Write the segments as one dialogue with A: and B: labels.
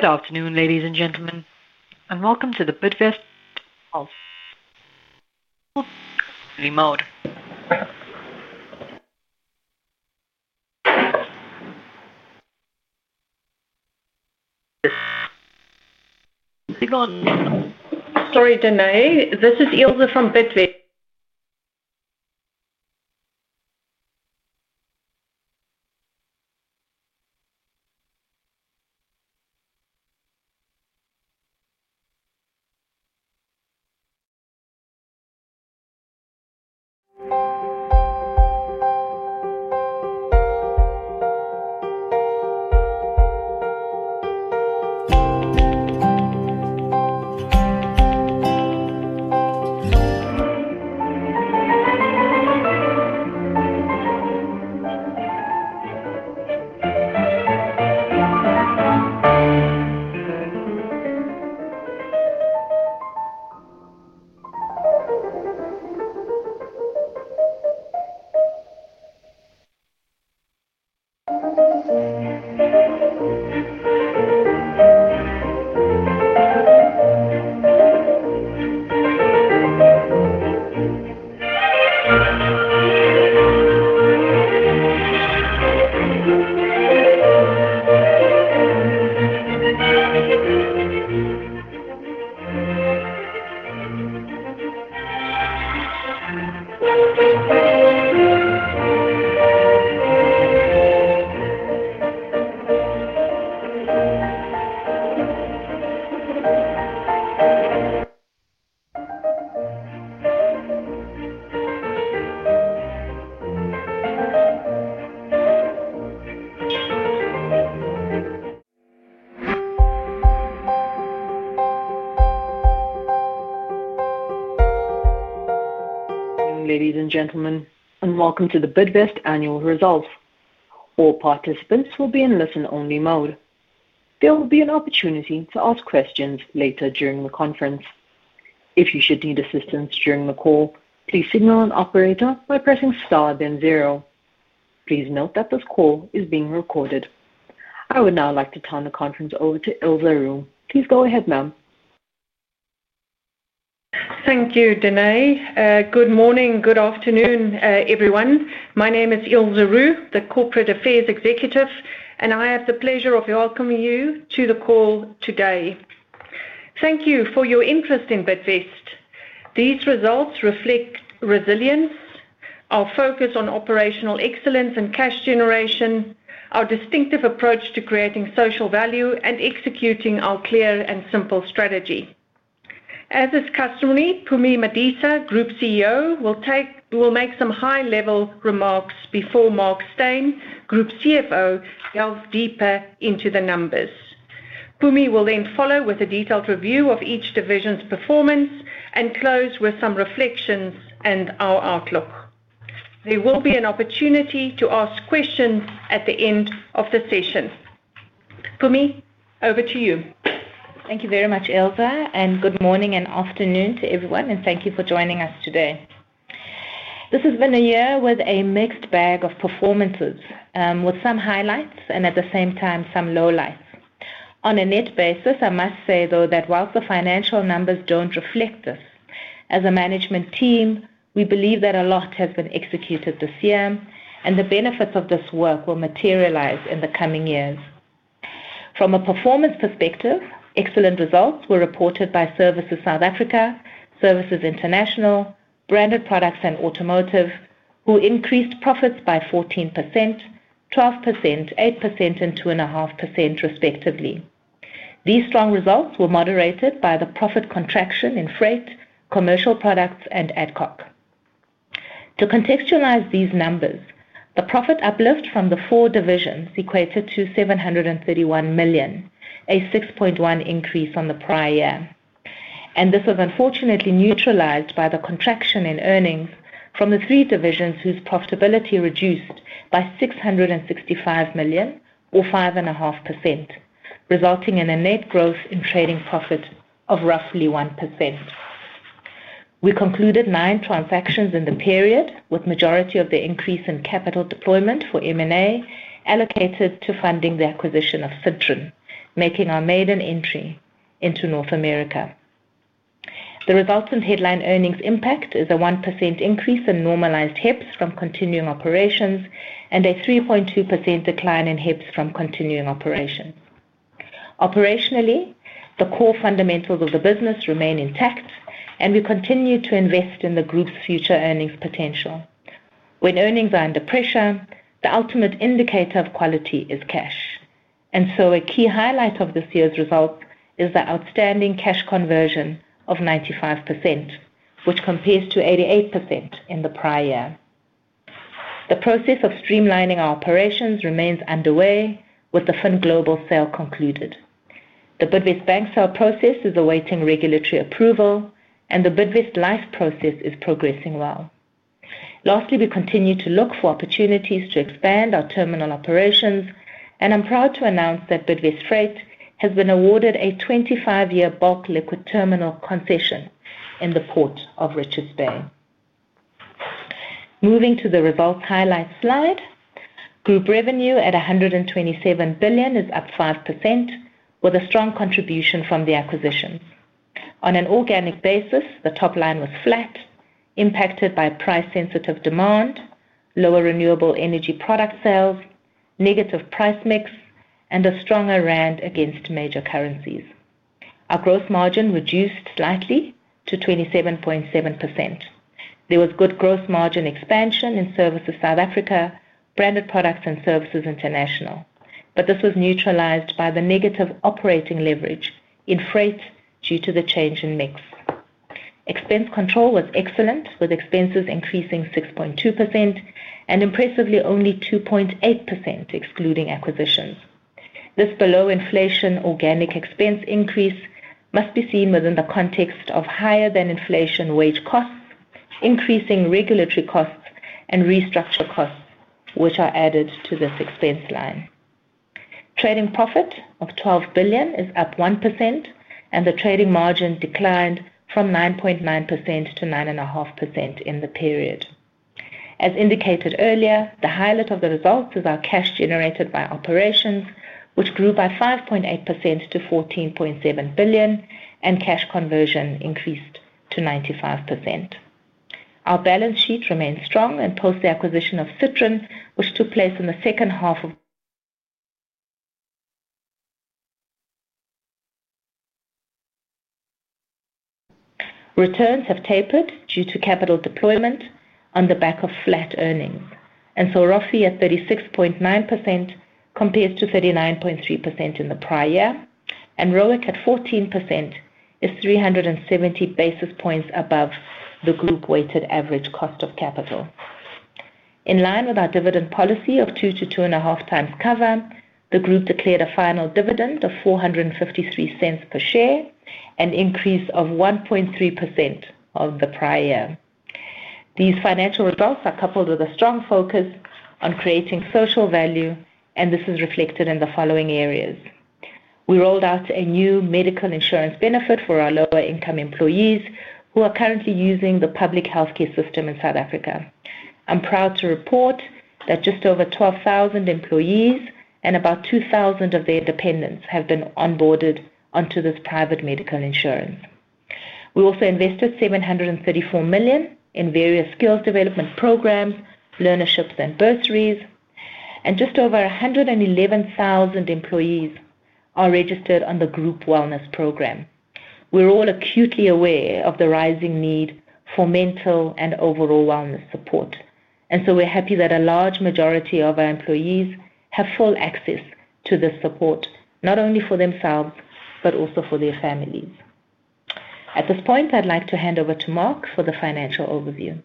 A: Good afternoon, ladies and gentlemen, and welcome to the Bidvest...
B: Sorry, Denae. This is Ilze from Bidvest.
A: Ladies and gentlemen, and welcome to the Bidvest Annual Results. All participants will be in listen-only mode. There will be an opportunity to ask questions later during the conference. If you should need assistance during the call, please signal an operator by pressing star then zero. Please note that this call is being recorded. I would now like to turn the conference over to Ilze Roux. Please go ahead, ma'am.
B: Thank you, Denae. Good morning, good afternoon, everyone. My name is Ilze Roux, the Corporate Affairs Executive, and I have the pleasure of welcoming you to the call today. Thank you for your interest in Bidvest. These results reflect resilience, our focus on operational excellence and cash generation, our distinctive approach to creating social value, and executing our clear and simple strategy. As is customary, Mpumi Madisa, Group CEO, will make some high-level remarks before Mark Steyn, Group CFO, delves deeper into the numbers. Mpumi will then follow with a detailed review of each division's performance and close with some reflections and our outlook. There will be an opportunity to ask questions at the end of the session. Mpumi, over to you.
C: Thank you very much, Ilze, and good morning and afternoon to everyone, and thank you for joining us today. This has been a year with a mixed bag of performances, with some highlights and at the same time some lowlights. On a net basis, I must say, though, that while the financial numbers don't reflect this, as a management team, we believe that a lot has been executed this year, and the benefits of this work will materialize in the coming years. From a performance perspective, excellent results were reported by Services South Africa, Services International, Branded Products, and Automotive, who increased profits by 14%, 12%, 8%, and 2.5%, respectively. These strong results were moderated by the profit contraction in Freight, Commercial Products, and Adcock. To contextualize these numbers, the profit uplift from the four divisions equated to 731 million, a 6.1% increase on the prior year. This was unfortunately neutralized by the contraction in earnings from the three divisions whose profitability reduced by 665 million, or 5.5%, resulting in a net growth in trading profit of roughly 1%. We concluded nine transactions in the period, with the majority of the increase in capital deployment for M&A allocated to funding the acquisition of Citron, making our maiden entry into North America. The resultant headline earnings impact is a 1% increase in normalized HEPS from continuing operations and a 3.2% decline in HEPS from continuing operations. Operationally, the core fundamentals of the business remain intact, and we continue to invest in the group's future earnings potential. When earnings are under pressure, the ultimate indicator of quality is cash. And so a key highlight of this year's results is the outstanding cash conversion of 95%, which compares to 88% in the prior year. The process of streamlining our operations remains underway, with the FinGlobal sale concluded. The Bidvest Bank sale process is awaiting regulatory approval, and the Bidvest Life process is progressing well. Lastly, we continue to look for opportunities to expand our terminal operations, and I'm proud to announce that Bidvest Freight has been awarded a 25-year bulk liquid terminal concession in the port of Richards Bay. Moving to the results highlight slide, group revenue at 127 billion is up 5%, with a strong contribution from the acquisitions. On an organic basis, the top line was flat, impacted by price-sensitive demand, lower renewable energy product sales, negative price mix, and a stronger rand against major currencies. Our gross margin reduced slightly to 27.7%. There was good gross margin expansion in Services South Africa, Branded Products, and Services International, but this was neutralized by the negative operating leverage in Freight due to the change in mix. Expense control was excellent, with expenses increasing 6.2% and impressively only 2.8% excluding acquisitions. This below-inflation organic expense increase must be seen within the context of higher-than-inflation wage costs, increasing regulatory costs and restructure costs, which are added to this expense line. Trading profit of 12 billion is up 1%, and the trading margin declined from 9.9% to 9.5% in the period. As indicated earlier, the highlight of the results is our cash generated by operations, which grew by 5.8% to 14.7 billion, and cash conversion increased to 95%. Our balance sheet remains strong and posts the acquisition of Citron, which took place in the second half of. Returns have tapered due to capital deployment on the back of flat earnings, and so ROFE at 36.9% compares to 39.3% in the prior year, and ROIC at 14% is 370 basis points above the group-weighted average cost of capital. In line with our dividend policy of 2 to 2.5 times cover, the group declared a final dividend of 4.53 per share, an increase of 1.3% of the prior year. These financial results are coupled with a strong focus on creating social value, and this is reflected in the following areas. We rolled out a new medical insurance benefit for our lower-income employees who are currently using the public healthcare system in South Africa. I'm proud to report that just over 12,000 employees and about 2,000 of their dependents have been onboarded onto this private medical insurance. We also invested 734 million in various skills development programs, learnerships, and bursaries, and just over 111,000 employees are registered on the group wellness program. We're all acutely aware of the rising need for mental and overall wellness support, and so we're happy that a large majority of our employees have full access to this support, not only for themselves but also for their families. At this point, I'd like to hand over to Mark for the financial overview.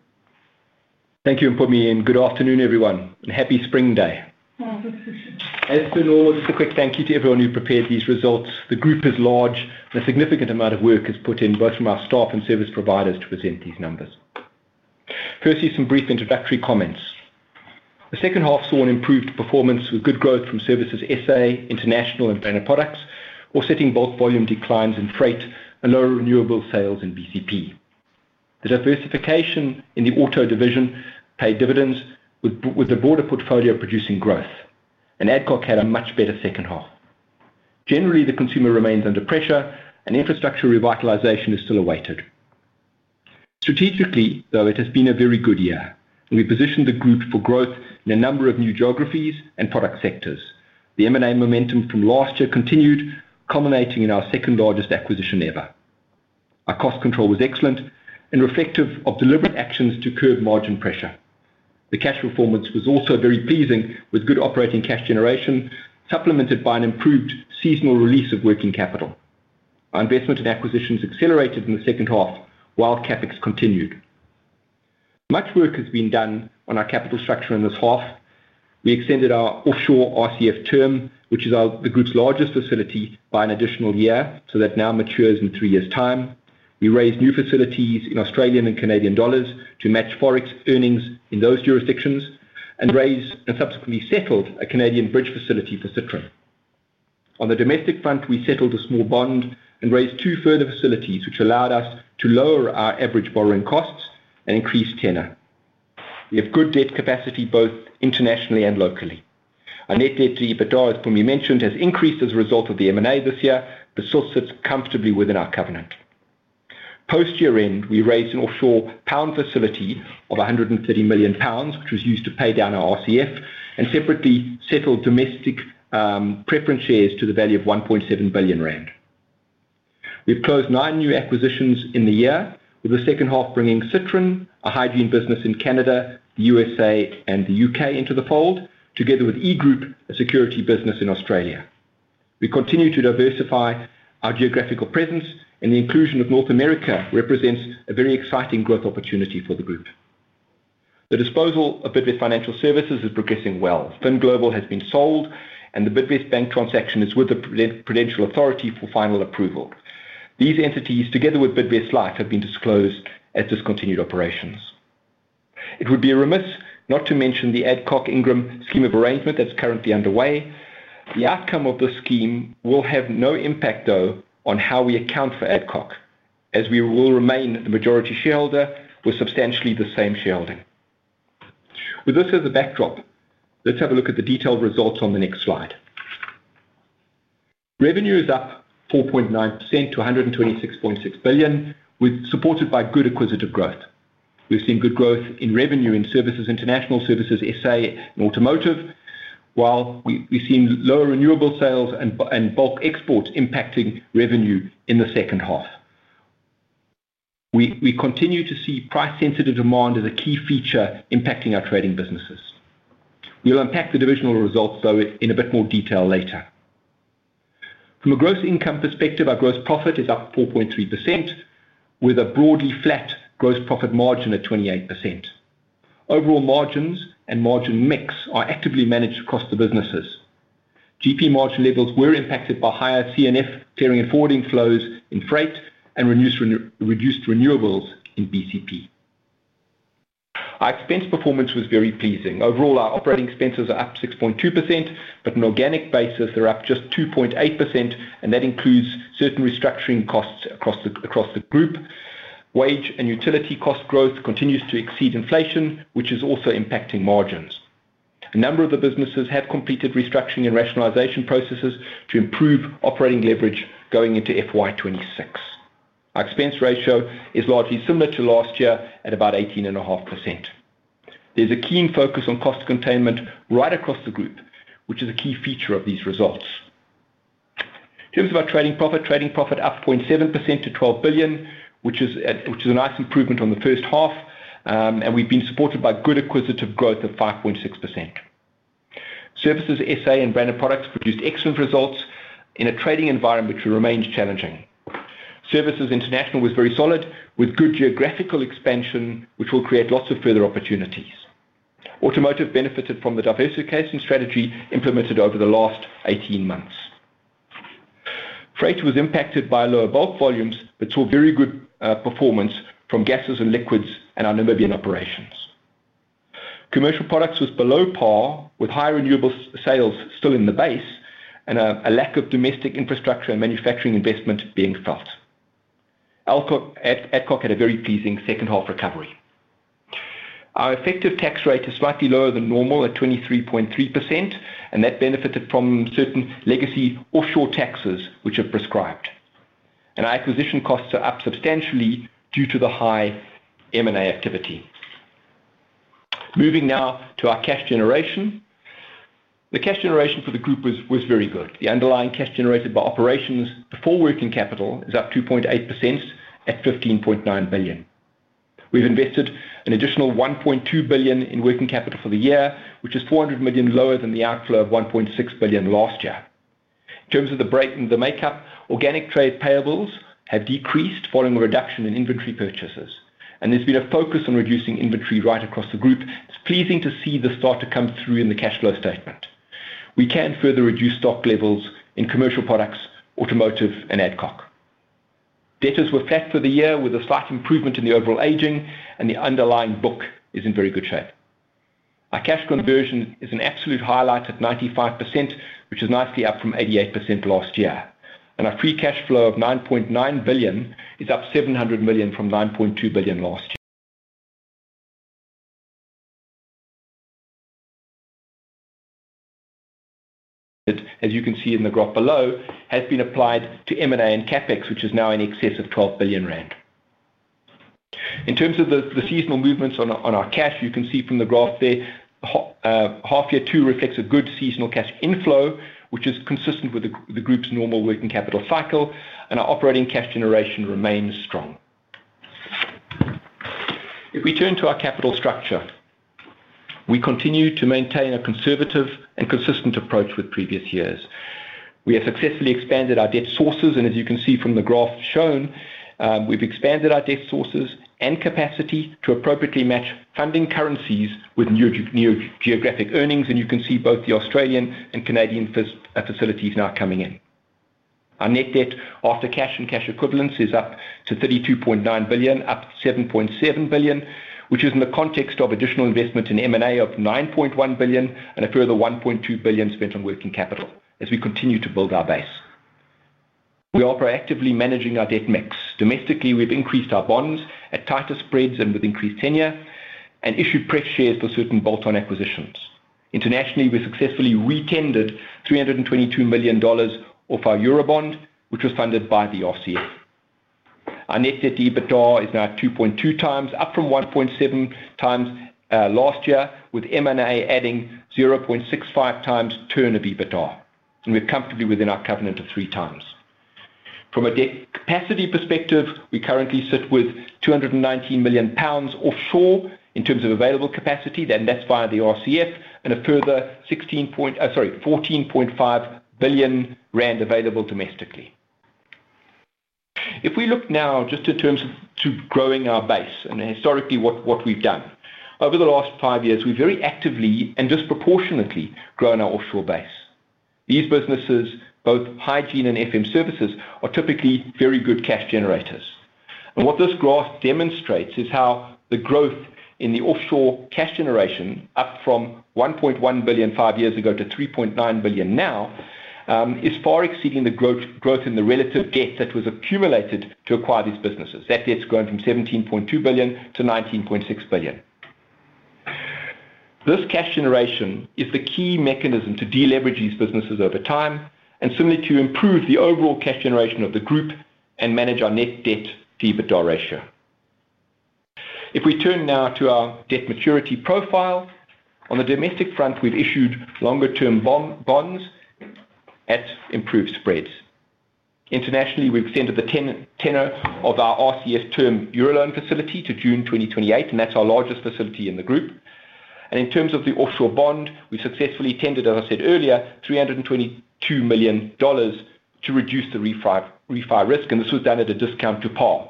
D: Thank you, Mpumi, and good afternoon, everyone, and happy spring day.
B: Thanks, Mpumi.
D: First of all, just a quick thank you to everyone who prepared these results. The group is large, and a significant amount of work has been put in both from our staff and service providers to present these numbers. Firstly, some brief introductory comments. The second half saw an improved performance with good growth from Services SA, International, and Branded Products, offsetting bulk volume declines in Freight and lower renewable sales in BCP. The diversification in the auto division paid dividends, with the broader portfolio producing growth, and Adcock had a much better second half. Generally, the consumer remains under pressure, and infrastructure revitalization is still awaited. Strategically, though, it has been a very good year, and we positioned the group for growth in a number of new geographies and product sectors. The M&A momentum from last year continued, culminating in our second-largest acquisition ever. Our cost control was excellent and reflective of deliberate actions to curb margin pressure. The cash performance was also very pleasing, with good operating cash generation supplemented by an improved seasonal release of working capital. Our investment in acquisitions accelerated in the second half while CapEx continued. Much work has been done on our capital structure in this half. We extended our offshore RCF term, which is the group's largest facility, by an additional year, so that now matures in three years' time. We raised new facilities in Australian and Canadian dollars to match forex earnings in those jurisdictions and raised and subsequently settled a Canadian bridge facility for Citron. On the domestic front, we settled a small bond and raised two further facilities, which allowed us to lower our average borrowing costs and increase tenor. We have good debt capacity both internationally and locally. Our net debt to EBITDA, as Mpumi mentioned, has increased as a result of the M&A this year, but still sits comfortably within our covenant. Post-year end, we raised an offshore pound facility of 130 million pounds, which was used to pay down our RCF, and separately settled domestic preference shares to the value of 1.7 billion rand. We've closed nine new acquisitions in the year, with the second half bringing Citron, a hygiene business in Canada, the U.S.A., and the U.K. into the fold, together with Egroup, a security business in Australia. We continue to diversify our geographical presence, and the inclusion of North America represents a very exciting growth opportunity for the group. The disposal of Bidvest Financial Services is progressing well. FinGlobal has been sold, and the Bidvest Bank transaction is with the Prudential Authority for final approval. These entities, together with Bidvest Life, have been disclosed as discontinued operations. It would be remiss not to mention the Adcock Ingram scheme of arrangement that's currently underway. The outcome of the scheme will have no impact, though, on how we account for Adcock Ingram, as we will remain the majority shareholder with substantially the same shareholding. With this as a backdrop, let's have a look at the detailed results on the next slide. Revenue is up 4.9% to 126.6 billion, supported by good acquisitive growth. We've seen good growth in revenue in Services International, Services SA, and Automotive, while we've seen lower volume sales and bulk exports impacting revenue in the second half. We continue to see price-sensitive demand as a key feature impacting our trading businesses. We'll unpack the divisional results, though, in a bit more detail later. From a gross income perspective, our gross profit is up 4.3%, with a broadly flat gross profit margin at 28%. Overall margins and margin mix are actively managed across the businesses. GP margin levels were impacted by higher C&F clearing and forwarding flows in Freight and reduced renewables in BCP. Our expense performance was very pleasing. Overall, our operating expenses are up 6.2%, but on an organic basis, they're up just 2.8%, and that includes certain restructuring costs across the group. Wage and utility cost growth continues to exceed inflation, which is also impacting margins. A number of the businesses have completed restructuring and rationalization processes to improve operating leverage going into FY 2026. Our expense ratio is largely similar to last year at about 18.5%. There's a keen focus on cost containment right across the group, which is a key feature of these results. In terms of our trading profit, trading profit up 0.7% to 12 billion, which is a nice improvement on the first half, and we've been supported by good acquisitive growth of 5.6%. Services SA and Branded Products produced excellent results in a trading environment which remains challenging. Services International was very solid, with good geographical expansion, which will create lots of further opportunities. Automotive benefited from the diversification strategy implemented over the last 18 months. Freight was impacted by lower bulk volumes but saw very good performance from gases and liquids and our Namibian operations. Commercial Products was below par, with high renewable sales still in the base and a lack of domestic infrastructure and manufacturing investment being felt. Adcock had a very pleasing second half recovery. Our effective tax rate is slightly lower than normal at 23.3%, and that benefited from certain legacy offshore taxes which are prescribed. Our acquisition costs are up substantially due to the high M&A activity. Moving now to our cash generation. The cash generation for the group was very good. The underlying cash generated by operations before working capital is up 2.8% at 15.9 billion. We've invested an additional 1.2 billion in working capital for the year, which is 400 million lower than the outflow of 1.6 billion last year. In terms of the break in the makeup, organic trade payables have decreased following a reduction in inventory purchases, and there's been a focus on reducing inventory right across the group. It's pleasing to see the start to come through in the cash flow statement. We can further reduce stock levels in Commercial Products, Automotive, and Adcock. Debtors were flat for the year, with a slight improvement in the overall aging, and the underlying book is in very good shape. Our cash conversion is an absolute highlight at 95%, which is nicely up from 88% last year. And our free cash flow of 9.9 billion is up 700 million from 9.2 billion last year. As you can see in the graph below, it has been applied to M&A and CapEx, which is now in excess of 12 billion rand. In terms of the seasonal movements on our cash, you can see from the graph there, half year two reflects a good seasonal cash inflow, which is consistent with the group's normal working capital cycle, and our operating cash generation remains strong. If we turn to our capital structure, we continue to maintain a conservative and consistent approach with previous years. We have successfully expanded our debt sources, and as you can see from the graph shown, we've expanded our debt sources and capacity to appropriately match funding currencies with new geographic earnings, and you can see both the Australian and Canadian facilities now coming in. Our net debt after cash and cash equivalents is up to 32.9 billion, up 7.7 billion, which is in the context of additional investment in M&A of 9.1 billion and a further 1.2 billion spent on working capital as we continue to build our base. We are proactively managing our debt mix. Domestically, we've increased our bonds at tighter spreads and with increased tenure and issued pref shares for certain bolt-on acquisitions. Internationally, we've successfully re-tendered $322 million off our Eurobond, which was funded by the RCF. Our net debt to EBITDA is now at 2.2 times, up from 1.7 times last year, with M&A adding 0.65 times turn of EBITDA, and we're comfortably within our covenant of three times. From a debt capacity perspective, we currently sit with 219 million pounds offshore in terms of available capacity, and that's via the RCF, and a further 16.5 billion rand available domestically. If we look now just in terms of growing our base and historically what we've done, over the last five years, we've very actively and disproportionately grown our offshore base. These businesses, both hygiene and FM services, are typically very good cash generators. And what this graph demonstrates is how the growth in the offshore cash generation, up from 1.1 billion five years ago to 3.9 billion now, is far exceeding the growth in the relative debt that was accumulated to acquire these businesses. That debt's grown from 17.2 billion to 19.6 billion. This cash generation is the key mechanism to deleverage these businesses over time and simply to improve the overall cash generation of the group and manage our net debt to EBITDA ratio. If we turn now to our debt maturity profile, on the domestic front, we've issued longer-term bonds at improved spreads. Internationally, we've extended the tenor of our RCF term Euroloan facility to June 2028, and that's our largest facility in the group. And in terms of the offshore bond, we successfully tendered, as I said earlier, $322 million to reduce the refinance risk, and this was done at a discount to par.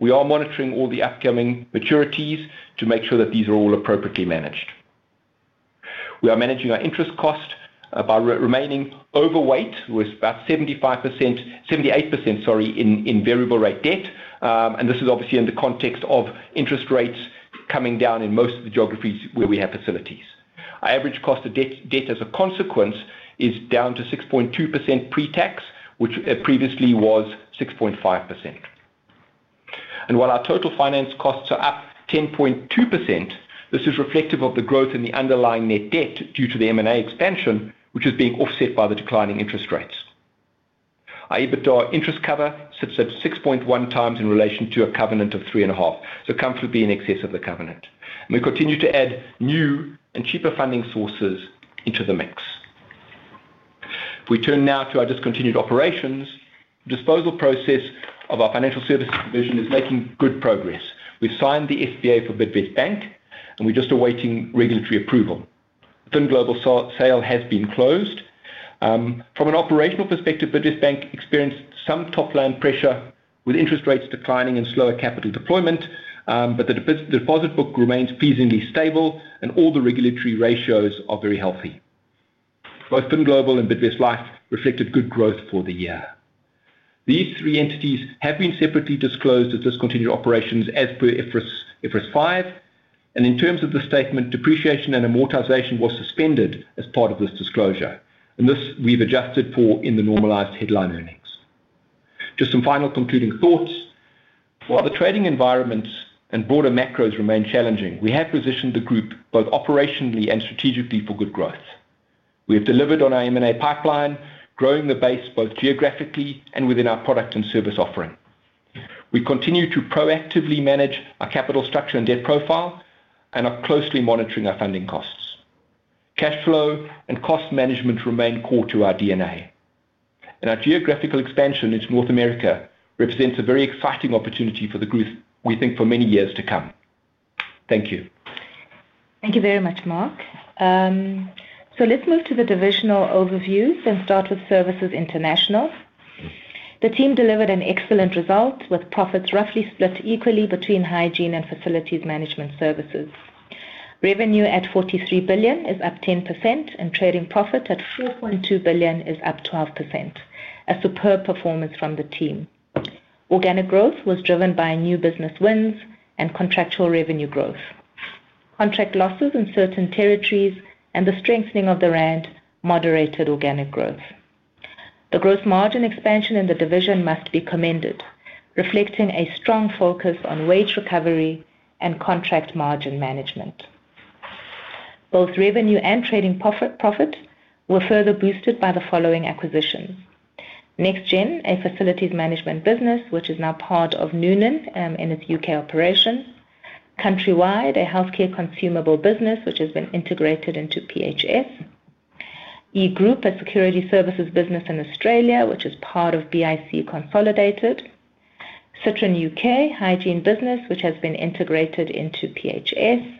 D: We are monitoring all the upcoming maturities to make sure that these are all appropriately managed. We are managing our interest cost by remaining overweight with about 75%, 78%, sorry, in variable rate debt, and this is obviously in the context of interest rates coming down in most of the geographies where we have facilities. Our average cost of debt as a consequence is down to 6.2% pre-tax, which previously was 6.5%, and while our total finance costs are up 10.2%, this is reflective of the growth in the underlying net debt due to the M&A expansion, which is being offset by the declining interest rates. Our EBITDA interest cover sits at 6.1 times in relation to a covenant of three and a half, so comfortably in excess of the covenant, and we continue to add new and cheaper funding sources into the mix. If we turn now to our discontinued operations, the disposal process of our Financial Services division is making good progress. We've signed the SBA for Bidvest Bank, and we're just awaiting regulatory approval. FinGlobal's sale has been closed. From an operational perspective, Bidvest Bank experienced some top-line pressure with interest rates declining and slower capital deployment, but the deposit book remains pleasingly stable, and all the regulatory ratios are very healthy. Both FinGlobal and Bidvest Life reflected good growth for the year. These three entities have been separately disclosed as discontinued operations as per IFRS 5, and in terms of the statement, depreciation and amortization were suspended as part of this disclosure, and this we've adjusted for in the normalized headline earnings. Just some final concluding thoughts. While the trading environment and broader macros remain challenging, we have positioned the group both operationally and strategically for good growth. We have delivered on our M&A pipeline, growing the base both geographically and within our product and service offering. We continue to proactively manage our capital structure and debt profile and are closely monitoring our funding costs. Cash flow and cost management remain core to our DNA, and our geographical expansion into North America represents a very exciting opportunity for the group, we think, for many years to come. Thank you.
C: Thank you very much, Mark. So let's move to the divisional overviews and start with Services International. The team delivered an excellent result with profits roughly split equally between hygiene and facilities management services. Revenue at 43 billion is up 10%, and trading profit at 4.2 billion is up 12%, a superb performance from the team. Organic growth was driven by new business wins and contractual revenue growth. Contract losses in certain territories and the strengthening of the rand moderated organic growth. The gross margin expansion in the division must be commended, reflecting a strong focus on wage recovery and contract margin management. Both revenue and trading profit were further boosted by the following acquisitions: Nexgen, a facilities management business which is now part of Noonan in its U.K. operation, Countrywide, a healthcare consumable business which has been integrated into PHS, Egroup, a security services business in Australia which is part of BIC Consolidated, Citron U.K., hygiene business which has been integrated into PHS,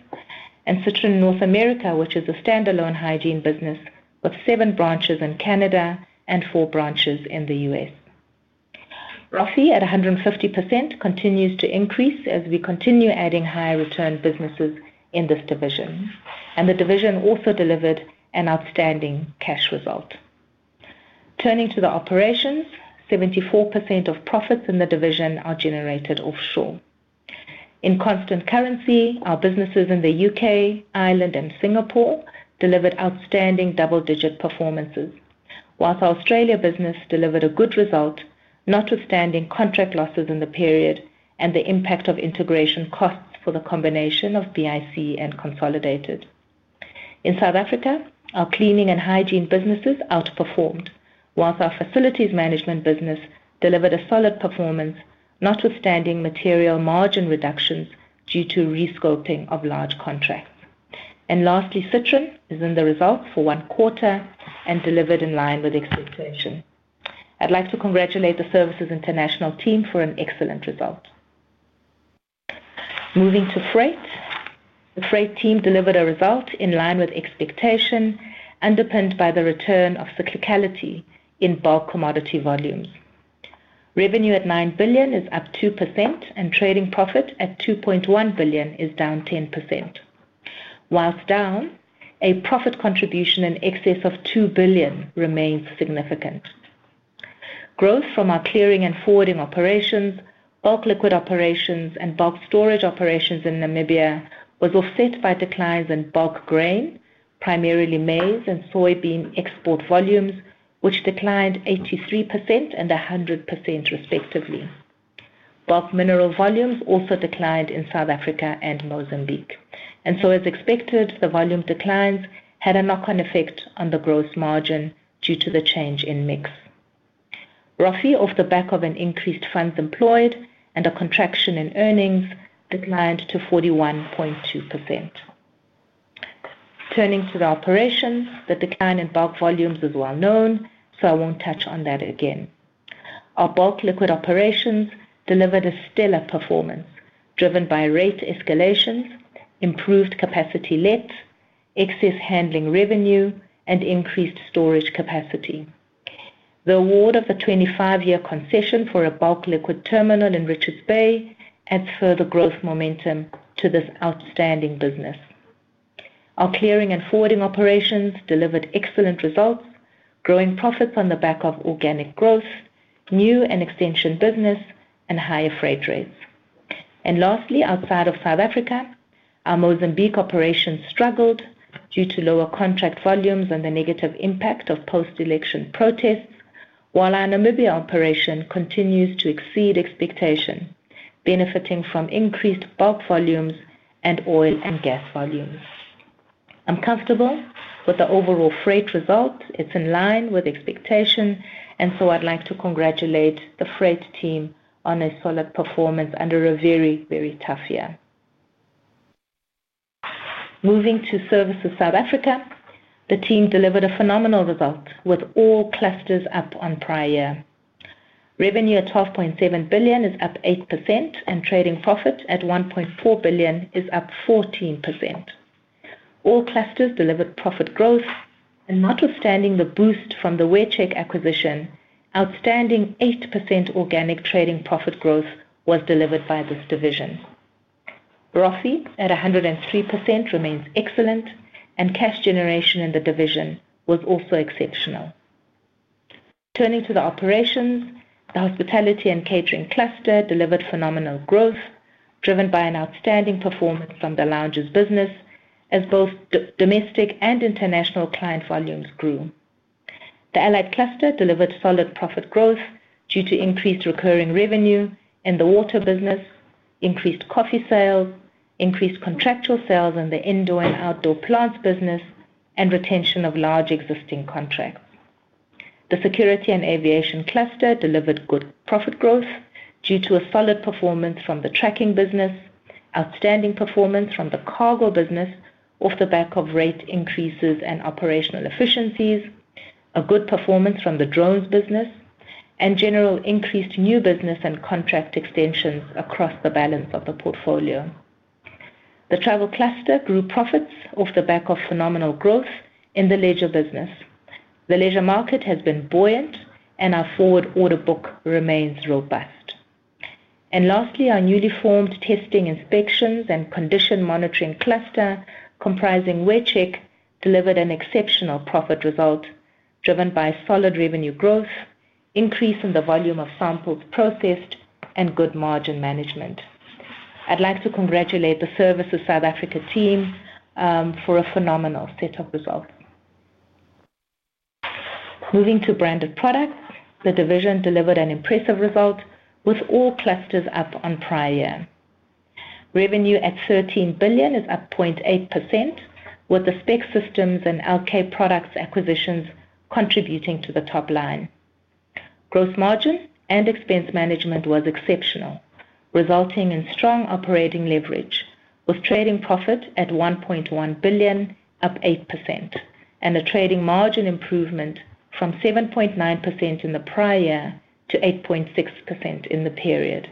C: and Citron North America, which is a standalone hygiene business with seven branches in Canada and four branches in the U.S. ROFE at 150% continues to increase as we continue adding higher return businesses in this division, and the division also delivered an outstanding cash result. Turning to the operations, 74% of profits in the division are generated offshore. In constant currency, our businesses in the U.K., Ireland, and Singapore delivered outstanding double-digit performances, while our Australia business delivered a good result, notwithstanding contract losses in the period and the impact of integration costs for the combination of BIC and Consolidated. In South Africa, our cleaning and hygiene businesses outperformed, while our facilities management business delivered a solid performance, notwithstanding material margin reductions due to rescoping of large contracts. And lastly, Citron is in the result for one quarter and delivered in line with expectation. I'd like to congratulate the Services International team for an excellent result. Moving to Freight, the Freight team delivered a result in line with expectation, underpinned by the return of cyclicality in bulk commodity volumes. Revenue at 9 billion is up 2%, and trading profit at 2.1 billion is down 10%. While down, a profit contribution in excess of 2 billion remains significant. Growth from our clearing and forwarding operations, bulk liquid operations, and bulk storage operations in Namibia was offset by declines in bulk grain, primarily maize and soybean export volumes, which declined 83% and 100%, respectively. Bulk mineral volumes also declined in South Africa and Mozambique, and so, as expected, the volume declines had a knock-on effect on the gross margin due to the change in mix. ROFE, off the back of an increased funds employed and a contraction in earnings, declined to 41.2%. Turning to the operations, the decline in bulk volumes is well known, so I won't touch on that again. Our bulk liquid operations delivered a stellar performance, driven by rate escalations, improved capacity utilization, excess handling revenue, and increased storage capacity. The award of a 25-year concession for a bulk liquid terminal in Richards Bay adds further growth momentum to this outstanding business. Our clearing and forwarding operations delivered excellent results, growing profits on the back of organic growth, new and extension business, and higher freight rates. Lastly, outside of South Africa, our Mozambique operations struggled due to lower contract volumes and the negative impact of post-election protests, while our Namibia operation continues to exceed expectation, benefiting from increased bulk volumes and oil and gas volumes. I'm comfortable with the overall Freight result. It's in line with expectation, and so I'd like to congratulate the Freight team on a solid performance under a very, very tough year. Moving to Services South Africa, the team delivered a phenomenal result with all clusters up on prior year. Revenue at 12.7 billion is up 8%, and trading profit at 1.4 billion is up 14%. All clusters delivered profit growth, and notwithstanding the boost from the WearCheck acquisition, outstanding 8% organic trading profit growth was delivered by this division. ROFE, at 103%, remains excellent, and cash generation in the division was also exceptional. Turning to the operations, the hospitality and catering cluster delivered phenomenal growth, driven by an outstanding performance from the lounges business as both domestic and international client volumes grew. The Allied cluster delivered solid profit growth due to increased recurring revenue in the water business, increased coffee sales, increased contractual sales in the indoor and outdoor plants business, and retention of large existing contracts. The security and aviation cluster delivered good profit growth due to a solid performance from the tracking business, outstanding performance from the cargo business off the back of rate increases and operational efficiencies, a good performance from the drones business, and general increased new business and contract extensions across the balance of the portfolio. The travel cluster grew profits off the back of phenomenal growth in the leisure business. The leisure market has been buoyant, and our forward order book remains robust. And lastly, our newly formed testing inspections and condition monitoring cluster comprising WearCheck delivered an exceptional profit result, driven by solid revenue growth, increase in the volume of samples processed, and good margin management. I'd like to congratulate the Services South Africa team for a phenomenal set of results. Moving to Branded Products, the division delivered an impressive result with all clusters up on prior year. Revenue at 13 billion is up 0.8%, with the Spec Systems and LK Products acquisitions contributing to the top line. Gross margin and expense management was exceptional, resulting in strong operating leverage, with trading profit at 1.1 billion, up 8%, and a trading margin improvement from 7.9% in the prior year to 8.6% in the period.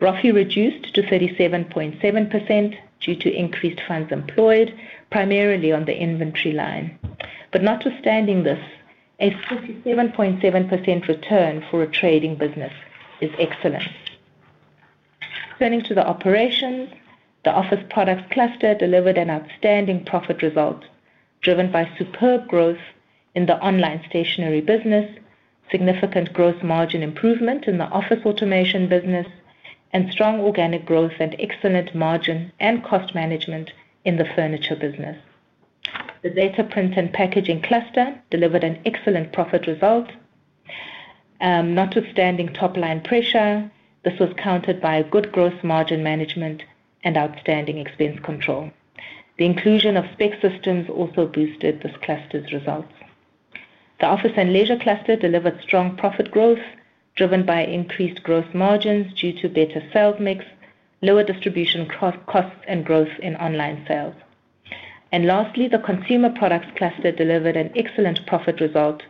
C: ROFE reduced to 37.7% due to increased funds employed, primarily on the inventory line. But notwithstanding this, a 57.7% return for a trading business is excellent. Turning to the operations, the office products cluster delivered an outstanding profit result, driven by superb growth in the online stationery business, significant gross margin improvement in the office automation business, and strong organic growth and excellent margin and cost management in the furniture business. The data print and packaging cluster delivered an excellent profit result. Notwithstanding top-line pressure, this was countered by good gross margin management and outstanding expense control. The inclusion of Spec Systems also boosted this cluster's results. The office and leisure cluster delivered strong profit growth, driven by increased gross margins due to better sales mix, lower distribution costs, and growth in online sales. And lastly, the consumer products cluster delivered an excellent profit result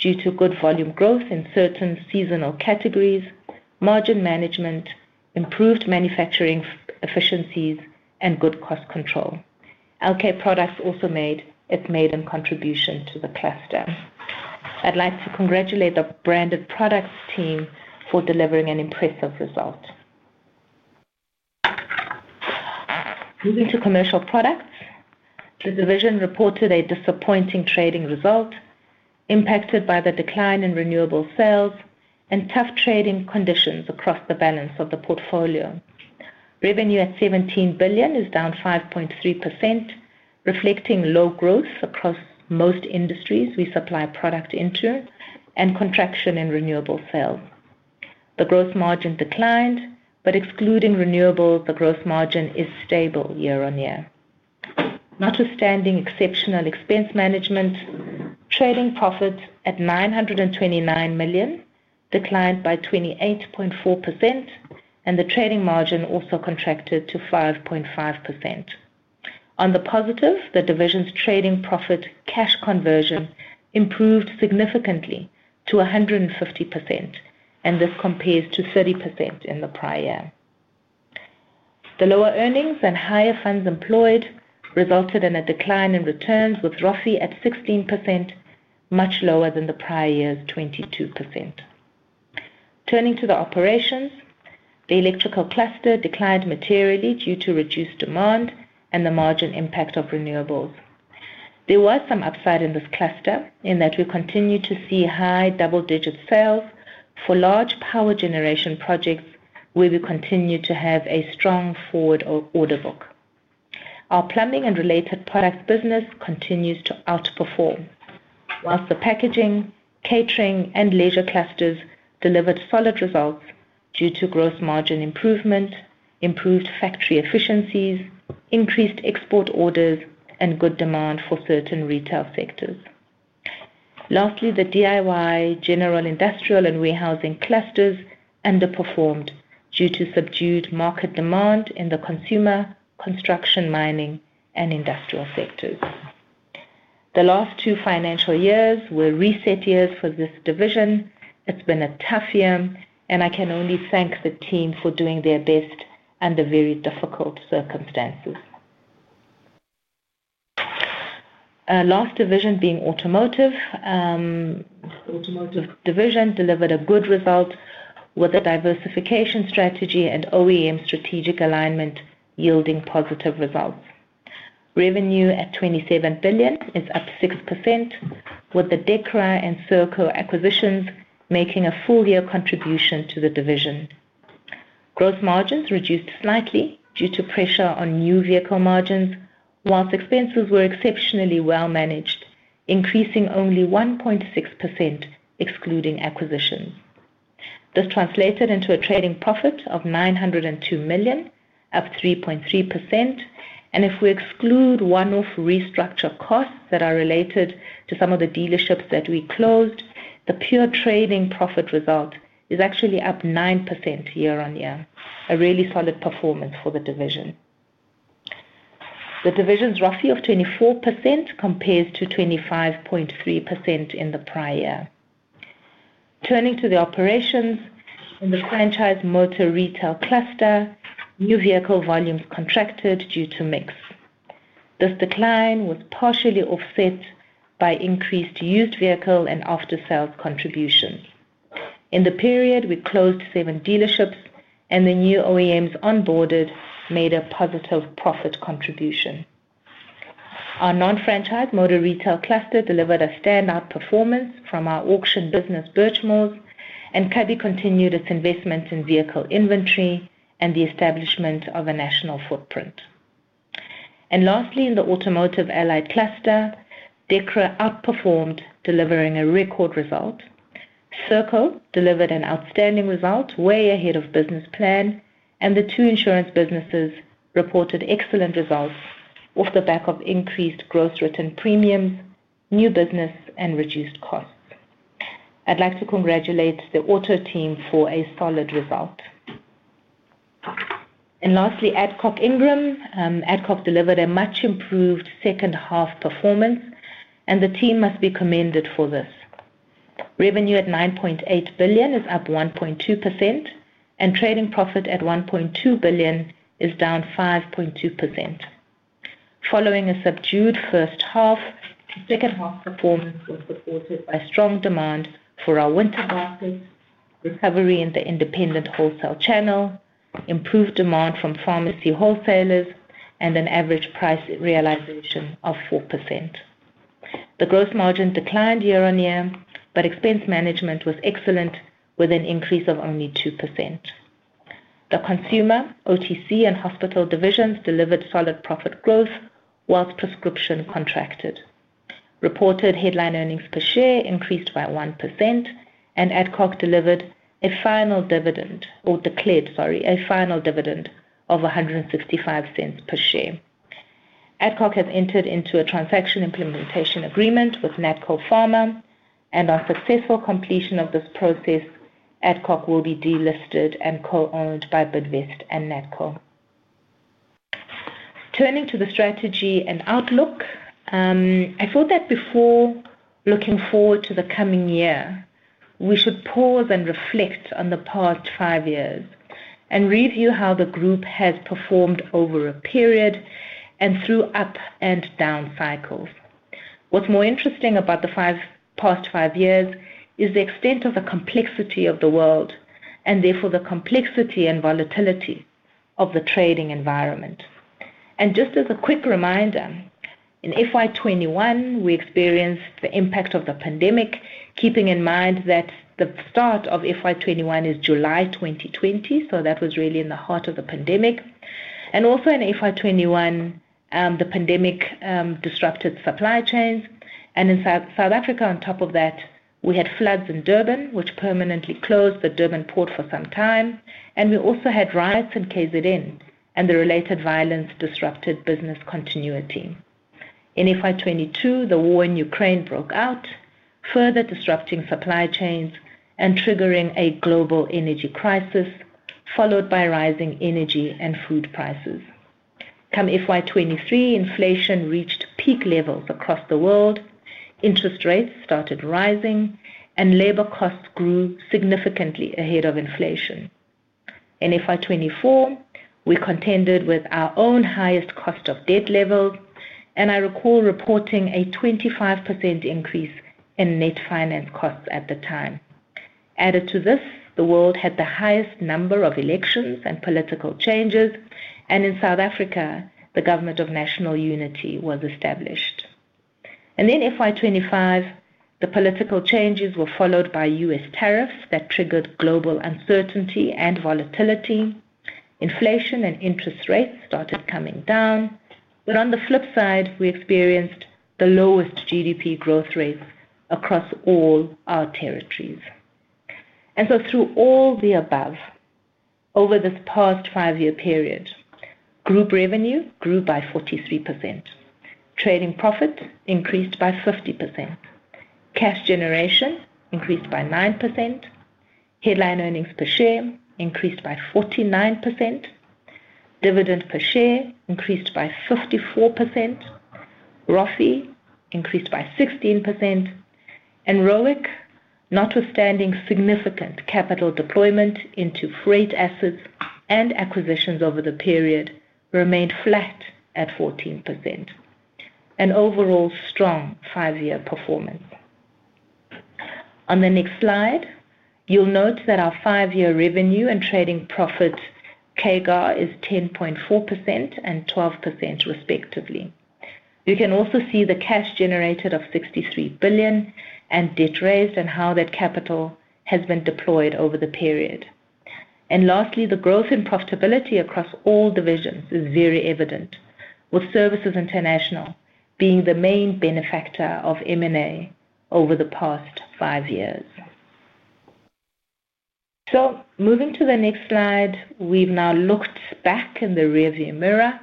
C: due to good volume growth in certain seasonal categories, margin management, improved manufacturing efficiencies, and good cost control. LK Products also made its maiden contribution to the cluster. I'd like to congratulate the Branded Products team for delivering an impressive result. Moving to Commercial Products, the division reported a disappointing trading result, impacted by the decline in renewable sales and tough trading conditions across the balance of the portfolio. Revenue at 17 billion is down 5.3%, reflecting low growth across most industries we supply product into, and contraction in renewable sales. The gross margin declined, but excluding renewables, the gross margin is stable year on year. Notwithstanding exceptional expense management, trading profits at 929 million declined by 28.4%, and the trading margin also contracted to 5.5%. On the positive, the division's trading profit cash conversion improved significantly to 150%, and this compares to 30% in the prior year. The lower earnings and higher funds employed resulted in a decline in returns, with ROFE at 16%, much lower than the prior year's 22%. Turning to the operations, the electrical cluster declined materially due to reduced demand and the margin impact of renewables. There was some upside in this cluster in that we continue to see high double-digit sales for large power generation projects, where we continue to have a strong forward order book. Our plumbing and related products business continues to outperform, whilst the packaging, catering, and leisure clusters delivered solid results due to gross margin improvement, improved factory efficiencies, increased export orders, and good demand for certain retail sectors. Lastly, the DIY, general industrial, and warehousing clusters underperformed due to subdued market demand in the consumer, construction, mining, and industrial sectors. The last two financial years were reset years for this division. It's been a tough year, and I can only thank the team for doing their best under very difficult circumstances. Last division being Automotive, the Automotive division delivered a good result with a diversification strategy and OEM strategic alignment, yielding positive results. Revenue at 27 billion is up 6%, with the Dekra and Serco acquisitions making a full year contribution to the division. Gross margins reduced slightly due to pressure on new vehicle margins, while expenses were exceptionally well managed, increasing only 1.6%, excluding acquisitions. This translated into a trading profit of 902 million, up 3.3%, and if we exclude one-off restructure costs that are related to some of the dealerships that we closed, the pure trading profit result is actually up 9% year on year, a really solid performance for the division. The division's ROFE of 24% compares to 25.3% in the prior year. Turning to the operations, in the franchise motor retail cluster, new vehicle volumes contracted due to mix. This decline was partially offset by increased used vehicle and after-sales contributions. In the period, we closed seven dealerships, and the new OEMs onboarded made a positive profit contribution. Our non-franchise motor retail cluster delivered a standout performance from our auction business, Burchmore's, and Cubbi continued its investment in vehicle inventory and the establishment of a national footprint, and lastly, in the Automotive Allied cluster, Dekra outperformed, delivering a record result. Serco delivered an outstanding result, way ahead of business plan, and the two insurance businesses reported excellent results off the back of increased gross return premiums, new business, and reduced costs. I'd like to congratulate the auto team for a solid result, and lastly, Adcock Ingram, Adcock delivered a much improved second half performance, and the team must be commended for this. Revenue at 9.8 billion is up 1.2%, and trading profit at 1.2 billion is down 5.2%. Following a subdued first half, second half performance was supported by strong demand for our winter baskets, recovery in the independent wholesale channel, improved demand from pharmacy wholesalers, and an average price realization of 4%. The gross margin declined year-on-year, but expense management was excellent, with an increase of only 2%. The Consumer, OTC, and Hospital divisions delivered solid profit growth, while Prescription contracted. Reported headline earnings per share increased by 1%, and Adcock Ingram delivered a final dividend, or declared, sorry, a final dividend of 1.65 per share. Adcock Ingram has entered into a transaction implementation agreement with Natco Pharma, and on successful completion of this process, Adcock Ingram will be delisted and co-owned by Bidvest and Natco. Turning to the strategy and outlook, I thought that before looking forward to the coming year, we should pause and reflect on the past five years and review how the group has performed over a period and through up and down cycles. What's more interesting about the past five years is the extent of the complexity of the world and therefore the complexity and volatility of the trading environment. Just as a quick reminder, in FY 2021, we experienced the impact of the pandemic, keeping in mind that the start of FY 2021 is July 2020, so that was really in the heart of the pandemic. Also in FY 2021, the pandemic disrupted supply chains, and in South Africa, on top of that, we had floods in Durban, which permanently closed the Durban port for some time, and we also had riots in KZN, and the related violence disrupted business continuity. In FY 2022, the war in Ukraine broke out, further disrupting supply chains and triggering a global energy crisis, followed by rising energy and food prices. Come FY 2023, inflation reached peak levels across the world, interest rates started rising, and labor costs grew significantly ahead of inflation. In FY 2024, we contended with our own highest cost of debt levels, and I recall reporting a 25% increase in net finance costs at the time. Added to this, the world had the highest number of elections and political changes, and in South Africa, the government of national unity was established. In FY 2025, the political changes were followed by U.S. tariffs that triggered global uncertainty and volatility. Inflation and interest rates started coming down, but on the flip side, we experienced the lowest GDP growth rates across all our territories. Through all the above, over this past five-year period, Group revenue grew by 43%, trading profit increased by 50%, cash generation increased by 9%, headline earnings per share increased by 49%, dividend per share increased by 54%, ROFE increased by 16%, and ROIC, notwithstanding significant capital deployment into Freight assets and acquisitions over the period, remained flat at 14%. An overall strong five-year performance. On the next slide, you'll note that our five-year revenue and trading profit CAGR is 10.4% and 12%, respectively. You can also see the cash generated of 63 billion and debt raised and how that capital has been deployed over the period. And lastly, the growth in profitability across all divisions is very evident, with services international being the main benefactor of M&A over the past five years. Moving to the next slide, we've now looked back in the rearview mirror.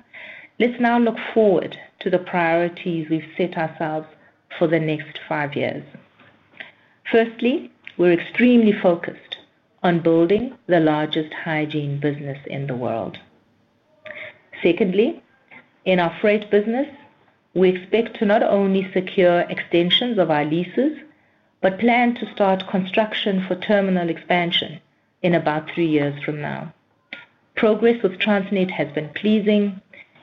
C: Let's now look forward to the priorities we've set ourselves for the next five years. Firstly, we're extremely focused on building the largest hygiene business in the world. Secondly, in our Freight business, we expect to not only secure extensions of our leases, but plan to start construction for terminal expansion in about three years from now. Progress with Transnet has been pleasing,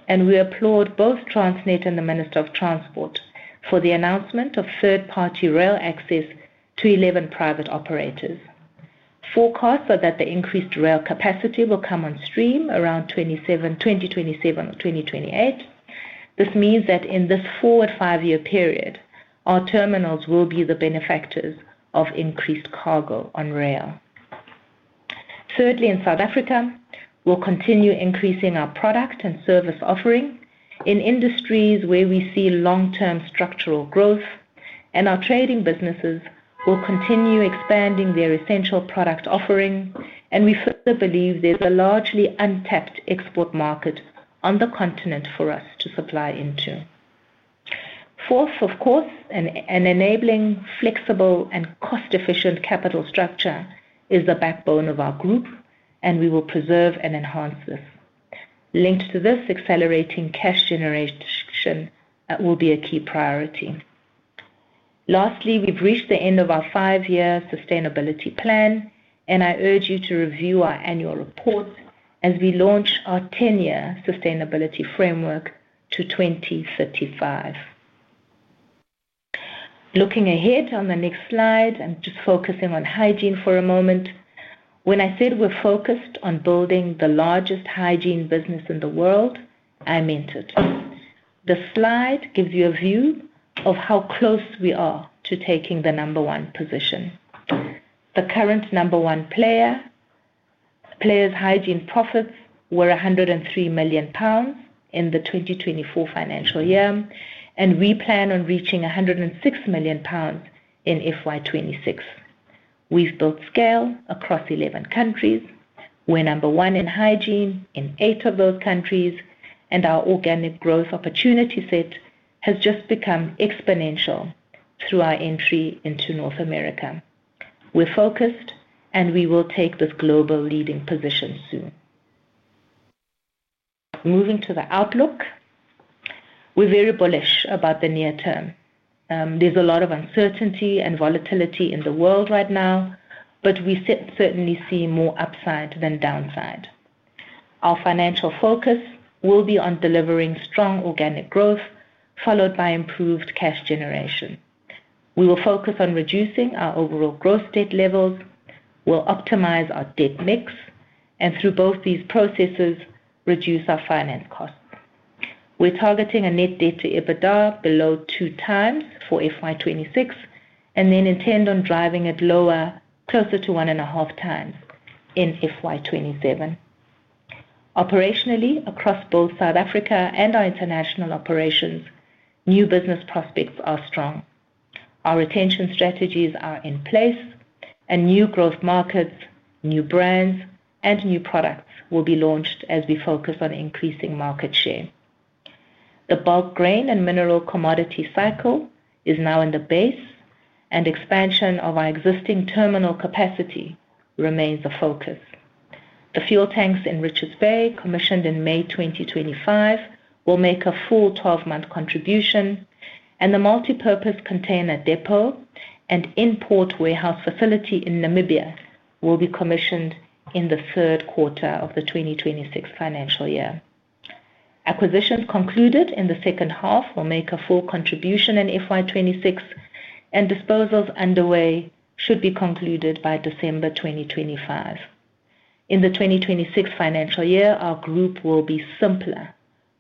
C: and we applaud both Transnet and the Minister of Transport for the announcement of third-party rail access to 11 private operators. Forecasts are that the increased rail capacity will come on stream around 2027 or 2028. This means that in this forward five-year period, our terminals will be the benefactors of increased cargo on rail. Thirdly, in South Africa, we'll continue increasing our product and service offering in industries where we see long-term structural growth, and our trading businesses will continue expanding their essential product offering, and we further believe there's a largely untapped export market on the continent for us to supply into. Fourth, of course, an enabling, flexible, and cost-efficient capital structure is the backbone of our group, and we will preserve and enhance this. Linked to this, accelerating cash generation will be a key priority. Lastly, we've reached the end of our five-year sustainability plan, and I urge you to review our annual report as we launch our ten-year sustainability framework to 2035. Looking ahead on the next slide and just focusing on hygiene for a moment, when I said we're focused on building the largest hygiene business in the world, I meant it. The slide gives you a view of how close we are to taking the number one position. The current number one player's hygiene profits were 103 million pounds in the 2024 financial year, and we plan on reaching 106 million pounds in FY 2026. We've built scale across 11 countries. We're number one in hygiene in eight of those countries, and our organic growth opportunity set has just become exponential through our entry into North America. We're focused, and we will take this global leading position soon. Moving to the outlook, we're very bullish about the near term. There's a lot of uncertainty and volatility in the world right now, but we certainly see more upside than downside. Our financial focus will be on delivering strong organic growth, followed by improved cash generation. We will focus on reducing our overall gross debt levels, will optimize our debt mix, and through both these processes, reduce our finance costs. We're targeting a net debt to EBITDA below two times for FY 2026, and then intend on driving it lower, closer to one and a half times in FY 2027. Operationally, across both South Africa and our international operations, new business prospects are strong. Our retention strategies are in place, and new growth markets, new brands, and new products will be launched as we focus on increasing market share. The bulk grain and mineral commodity cycle is now in the base, and expansion of our existing terminal capacity remains a focus. The fuel tanks in Richards Bay, commissioned in May 2025, will make a full 12-month contribution, and the multi-purpose container depot and import warehouse facility in Namibia will be commissioned in the third quarter of the 2026 financial year. Acquisitions concluded in the second half will make a full contribution in FY 2026, and disposals underway should be concluded by December 2025. In the 2026 financial year, our group will be simpler,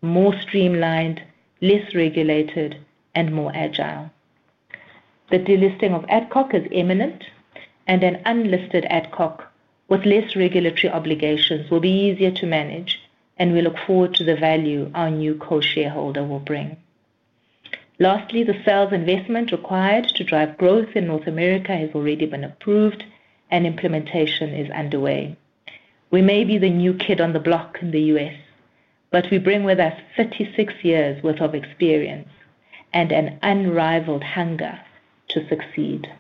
C: more streamlined, less regulated, and more agile. The delisting of Adcock is imminent, and an unlisted Adcock with less regulatory obligations will be easier to manage, and we look forward to the value our new co-shareholder will bring. Lastly, the sales investment required to drive growth in North America has already been approved, and implementation is underway. We may be the new kid on the block in the U.S., but we bring with us 36 years' worth of experience and an unrivaled hunger to succeed.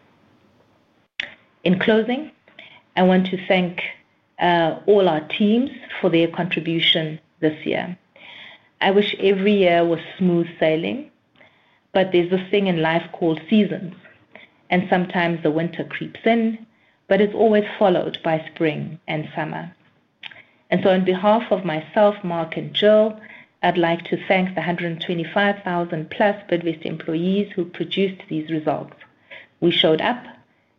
C: In closing, I want to thank all our teams for their contribution this year. I wish every year was smooth sailing, but there's this thing in life called seasons, and sometimes the winter creeps in, but it's always followed by spring and summer. And so on behalf of myself, Mark, and Gill, I'd like to thank the 125,000+ Bidvest employees who produced these results. We showed up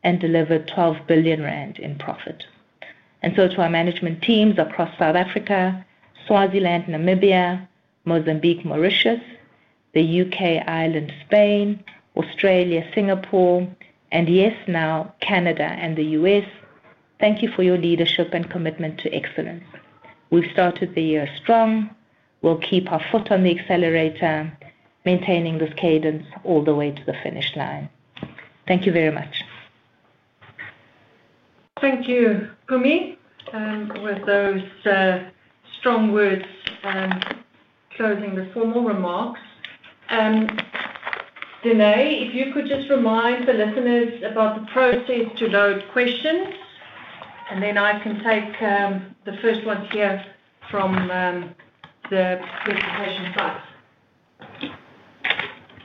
C: and delivered 12 billion rand in profit. And so to our management teams across South Africa, Eswatini, Namibia, Mozambique, Mauritius, the U.K., Ireland, Spain, Australia, Singapore, and yes, now Canada and the U.S., thank you for your leadership and commitment to excellence. We've started the year strong. We'll keep our foot on the accelerator, maintaining this cadence all the way to the finish line. Thank you very much.
B: Thank you, Mpumi, with those strong words closing the formal remarks. Denae, if you could just remind the listeners about the process to load questions, and then I can take the first ones here from the presentation slides.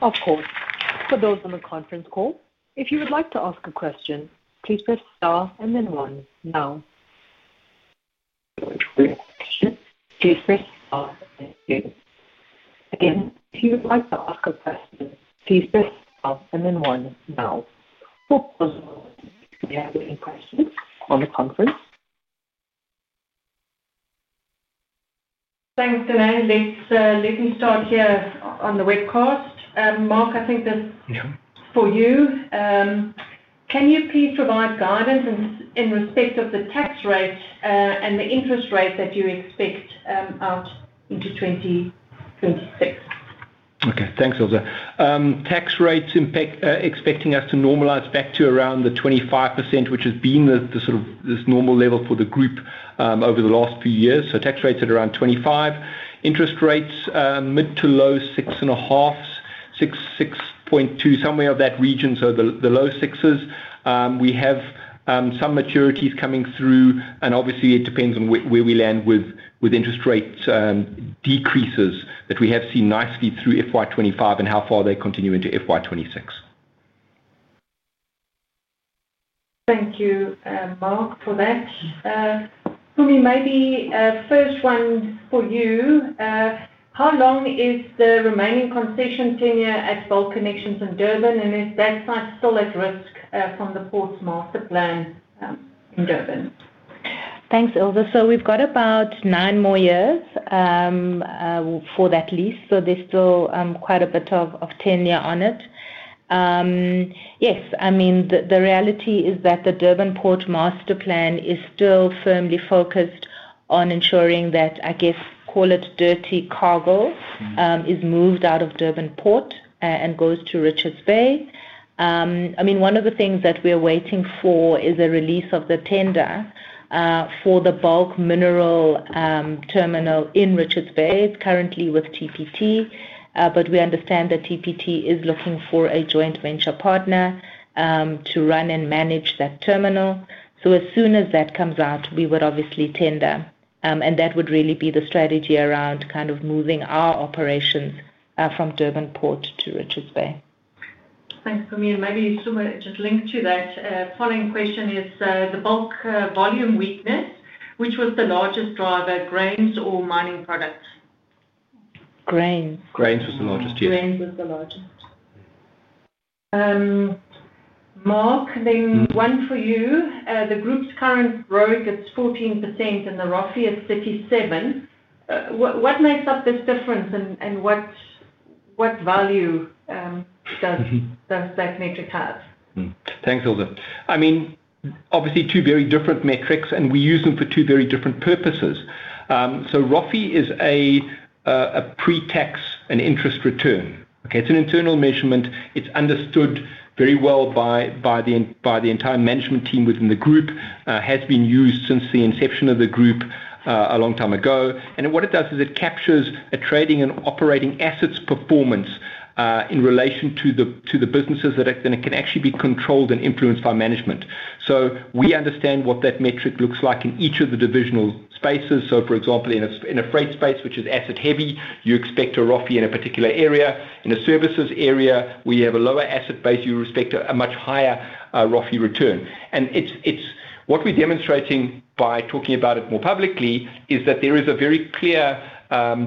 A: Of course. For those on the conference call, if you would like to ask a question, please press star and then one now. Please press star and then two. Again, if you would like to ask a question, please press star and then one now. For those of you who have any questions on the conference.
B: Thanks, Denae. Let me start here on the webcast. Mark, I think this is for you. Can you please provide guidance in respect of the tax rate and the interest rate that you expect out into 2026?
D: Okay, thanks, Roux. Tax rates expecting us to normalize back to around the 25%, which has been this normal level for the group over the last few years. So tax rates at around 25%, interest rates mid- to low-six-and-a-halfs, 6.2%, somewhere in that region, so the low sixes. We have some maturities coming through, and obviously, it depends on where we land with interest rate decreases that we have seen nicely through FY 2025 and how far they continue into FY 2026.
B: Thank you, Mark, for that. Mpumi, maybe first one for you. How long is the remaining concession tenure at Bulk Connections in Durban, and is that site still at risk from the Ports Master Plan in Durban?
C: Thanks, Ilze. So we've got about nine more years for that lease, so there's still quite a bit of tenure on it. Yes, I mean, the reality is that the Durban Port Master Plan is still firmly focused on ensuring that, I guess, call it dirty cargo is moved out of Durban Port and goes to Richards Bay. I mean, one of the things that we're waiting for is a release of the tender for the bulk mineral terminal in Richards Bay. It's currently with TPT, but we understand that TPT is looking for a joint venture partner to run and manage that terminal. So as soon as that comes out, we would obviously tender, and that would really be the strategy around kind of moving our operations from Durban Port to Richards Bay.
B: Thanks, Mpumi. And maybe just link to that. Following question is the bulk volume weakness, which was the largest driver, grains or mining products?
C: Grains.
D: Grains was the largest, yes.
C: Grains was the largest.
B: Mark, then one for you. The group's current ROIC is 14%, and the ROFE is 37%. What makes up this difference, and what value does that metric have?
D: Thanks, Ilze. I mean, obviously, two very different metrics, and we use them for two very different purposes. So ROFE is a pre-tax and interest return. Okay, it's an internal measurement. It's understood very well by the entire management team within the group, has been used since the inception of the group a long time ago. And what it does is it captures a trading and operating assets performance in relation to the businesses that can actually be controlled and influenced by management. We understand what that metric looks like in each of the divisional spaces. For example, in a Freight space, which is asset-heavy, you expect a ROFE in a particular area. In a Services area, where you have a lower asset base, you expect a much higher ROFE return. What we're demonstrating by talking about it more publicly is that there is a very clear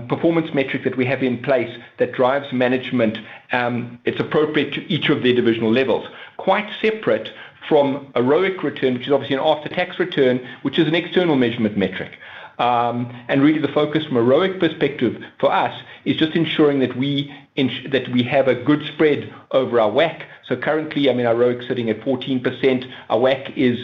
D: performance metric that we have in place that drives management. It's appropriate to each of their divisional levels. Quite separate from a ROIC return, which is obviously an after-tax return, which is an external measurement metric. Really, the focus from a ROIC perspective for us is just ensuring that we have a good spread over our WACC. Currently, I mean, our ROIC is sitting at 14%. Our WACC is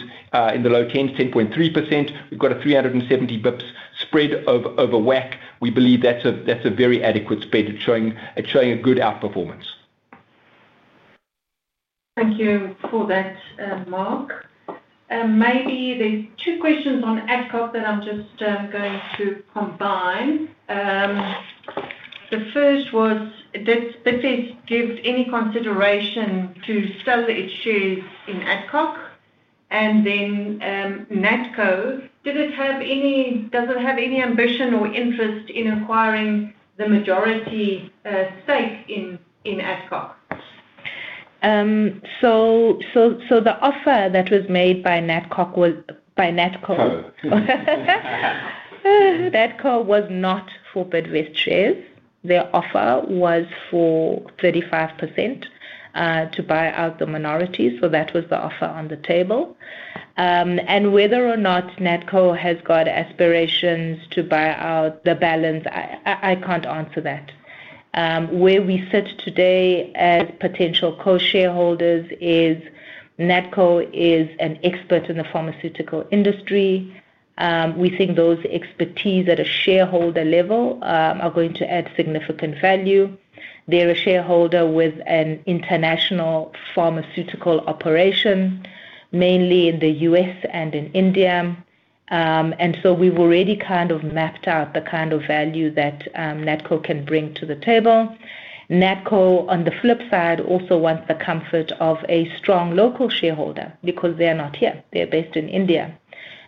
D: in the low 10s, 10.3%. We've got a 370 basis points spread over WACC. We believe that's a very adequate spread. It's showing a good outperformance.
B: Thank you for that, Mark. Maybe there's two questions on Adcock that I'm just going to combine. The first was, does Bidvest give any consideration to sell its shares in Adcock? And then Natco, does it have any ambition or interest in acquiring the majority stake in Adcock?
C: So the offer that was made by Natco was not for Bidvest shares. Their offer was for 35% to buy out the minority. So that was the offer on the table. And whether or not Natco has got aspirations to buy out the balance, I can't answer that. Where we sit today as potential co-shareholders is Natco is an expert in the pharmaceutical industry. We think those expertise at a shareholder level are going to add significant value. They're a shareholder with an international pharmaceutical operation, mainly in the U.S. and in India. And so we've already kind of mapped out the kind of value that Natco can bring to the table. Natco, on the flip side, also wants the comfort of a strong local shareholder because they're not here. They're based in India.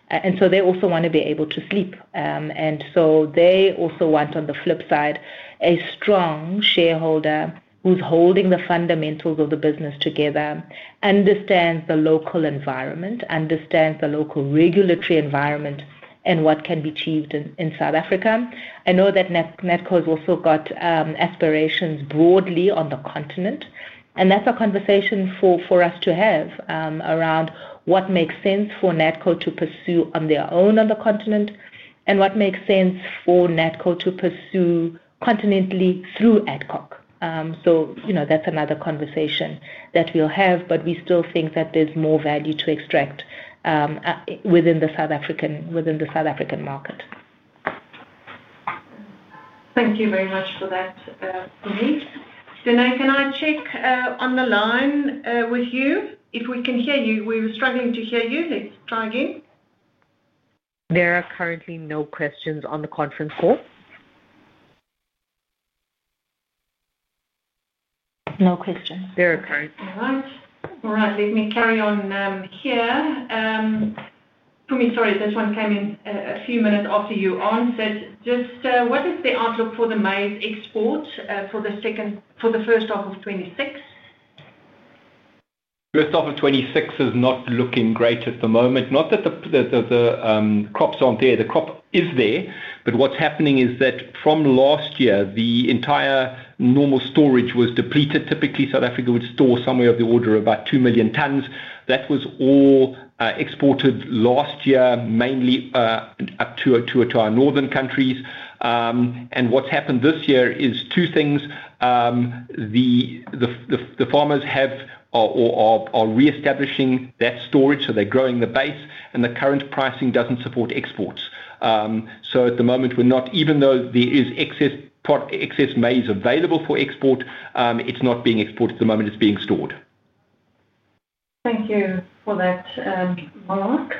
C: And so they also want to be able to sleep. And so they also want, on the flip side, a strong shareholder who's holding the fundamentals of the business together, understands the local environment, understands the local regulatory environment, and what can be achieved in South Africa. I know that Natco has also got aspirations broadly on the continent. And that's a conversation for us to have around what makes sense for Natco to pursue on their own on the continent and what makes sense for Natco to pursue continentally through Adcock. So that's another conversation that we'll have, but we still think that there's more value to extract within the South African market.
B: Thank you very much for that, Mpumi. Denae, can I check on the line with you? If we can hear you, we were struggling to hear you. Let's try again.
A: There are currently no questions on the conference call.
B: All right. Let me carry on here. Mpumi, sorry, this one came in a few minutes after you answered. Just what is the outlook for the maize export for the first half of 2026?
D: First half of 2026 is not looking great at the moment. Not that the crops aren't there. The crop is there, but what's happening is that from last year, the entire normal storage was depleted. Typically, South Africa would store somewhere of the order of about two million tons. That was all exported last year, mainly up to our northern countries. What's happened this year is two things. The farmers have or are reestablishing that storage, so they're growing the base, and the current pricing doesn't support exports. So at the moment, we're not, even though there is excess maize available for export, it's not being exported at the moment. It's being stored.
B: Thank you for that, Mark.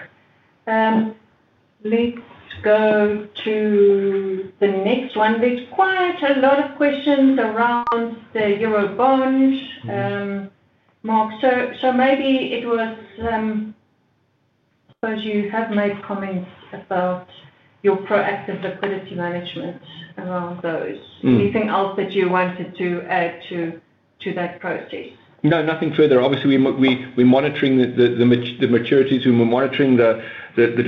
B: Let's go to the next one. There's quite a lot of questions around the Eurobond. Mark, so maybe it was, I suppose, you have made comments about your proactive liquidity management around those. Anything else that you wanted to add to that process?
D: No, nothing further. Obviously, we're monitoring the maturities. We're monitoring the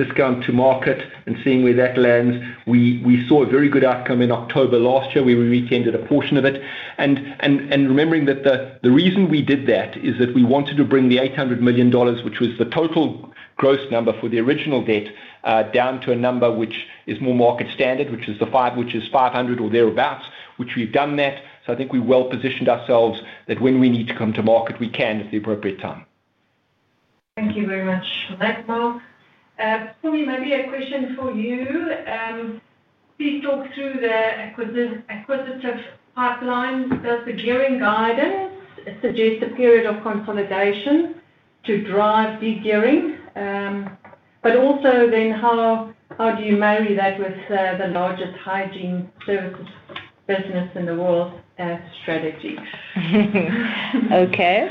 D: discount to market and seeing where that lands. We saw a very good outcome in October last year. We re-tendered a portion of it. Remembering that the reason we did that is that we wanted to bring the $800 million, which was the total gross number for the original debt, down to a number which is more market standard, which is $500 million or thereabouts, which we've done that. So I think we've well positioned ourselves that when we need to come to market, we can at the appropriate time.
B: Thank you very much for that, Mark. Mpumi, maybe a question for you. Please talk through the acquisitive pipeline. Does the gearing guidance suggest a period of consolidation to drive de-gearing? But also then, how do you marry that with the largest hygiene services business in the world as strategy?
C: Okay.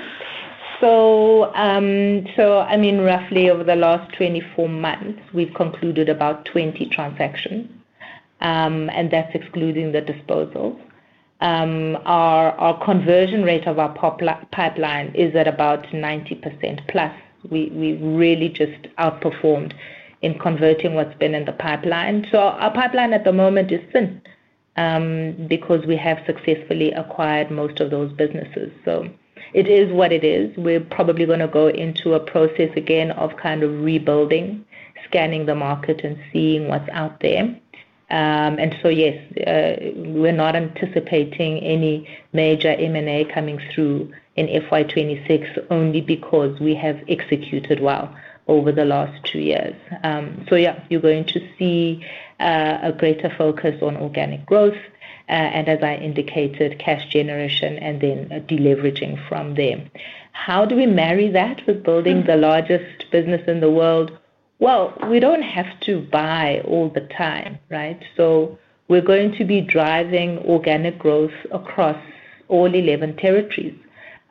C: So I mean, roughly over the last 24 months, we've concluded about 20 transactions, and that's excluding the disposals. Our conversion rate of our pipeline is at about 90%+. We've really just outperformed in converting what's been in the pipeline. So our pipeline at the moment is thin because we have successfully acquired most of those businesses. So it is what it is. We're probably going to go into a process again of kind of rebuilding, scanning the market, and seeing what's out there. And so yes, we're not anticipating any major M&A coming through in FY 2026 only because we have executed well over the last two years. So yeah, you're going to see a greater focus on organic growth and, as I indicated, cash generation and then deleveraging from there. How do we marry that with building the largest business in the world? We don't have to buy all the time, right? We're going to be driving organic growth across all 11 territories.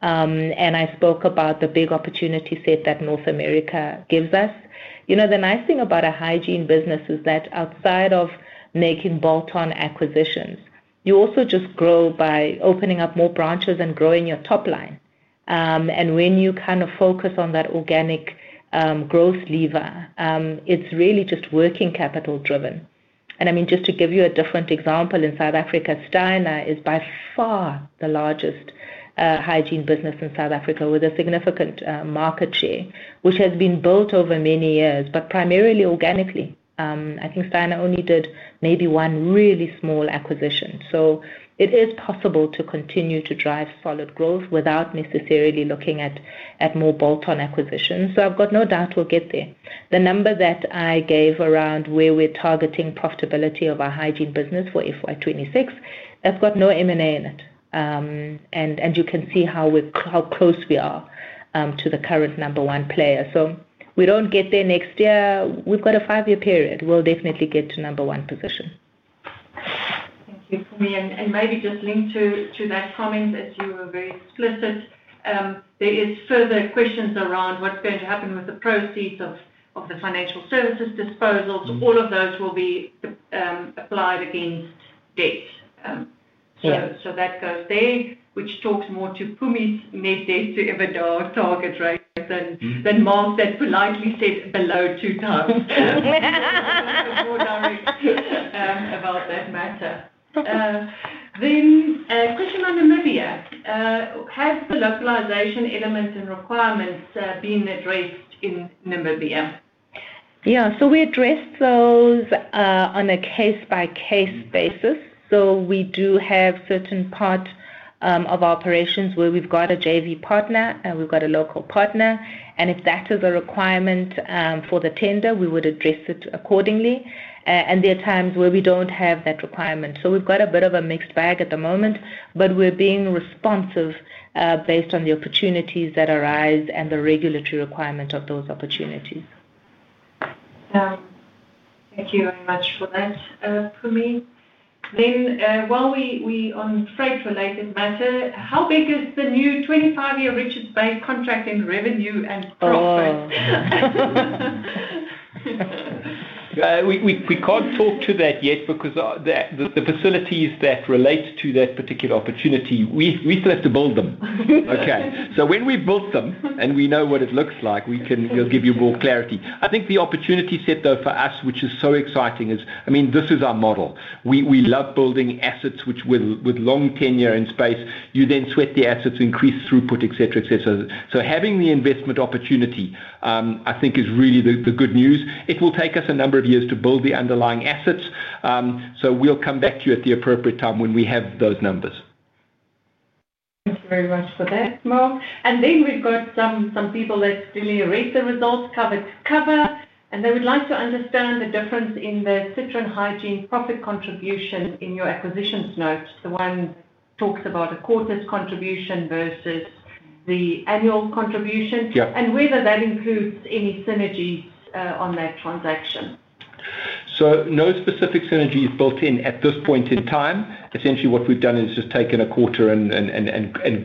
C: I spoke about the big opportunity set that North America gives us. The nice thing about a hygiene business is that outside of making bolt-on acquisitions, you also just grow by opening up more branches and growing your top line. When you kind of focus on that organic growth lever, it's really just working capital-driven. I mean, just to give you a different example, in South Africa, Steiner is by far the largest hygiene business in South Africa with a significant market share, which has been built over many years, but primarily organically. I think Steiner only did maybe one really small acquisition. It is possible to continue to drive solid growth without necessarily looking at more bolt-on acquisitions. So I've got no doubt we'll get there. The number that I gave around where we're targeting profitability of our hygiene business for FY 2026, that's got no M&A in it. And you can see how close we are to the current number one player. So we don't get there next year. We've got a five-year period. We'll definitely get to number one position.
B: Thank you, Mpumi. And maybe just link to that comment as you were very explicit. There are further questions around what's going to happen with the proceeds of the Financial Services disposals. All of those will be applied against debt. So that goes there, which talks more to Mpumi's net debt to EBITDA target, right, than Mark politely said below two times. A little bit more direct about that matter. Then a question on Namibia. Have the localization elements and requirements been addressed in Namibia?
C: Yeah. We addressed those on a case-by-case basis. So we do have certain parts of operations where we've got a JV partner and we've got a local partner. And if that is a requirement for the tender, we would address it accordingly. And there are times where we don't have that requirement. So we've got a bit of a mixed bag at the moment, but we're being responsive based on the opportunities that arise and the regulatory requirement of those opportunities.
B: Thank you very much for that, Mpumi. Then while we're on Freight-related matter, how big is the new 25-year Richards Bay contracting revenue and profit?
D: We can't talk to that yet because the facilities that relate to that particular opportunity, we still have to build them. Okay. So when we've built them and we know what it looks like, we'll give you more clarity. I think the opportunity set, though, for us, which is so exciting, is I mean, this is our model. We love building assets with long tenure in space. You then sweat the assets, increase throughput, etc., etc. So having the investment opportunity, I think, is really the good news. It will take us a number of years to build the underlying assets. So we'll come back to you at the appropriate time when we have those numbers.
B: Thank you very much for that, Mark. And then we've got some people that really rate the results cover to cover. And they would like to understand the difference in the Citron Hygiene profit contribution in your acquisitions note, the one that talks about a quarter's contribution versus the annual contribution, and whether that includes any synergies on that transaction.
D: So no specific synergy is built in at this point in time. Essentially, what we've done is just taken a quarter and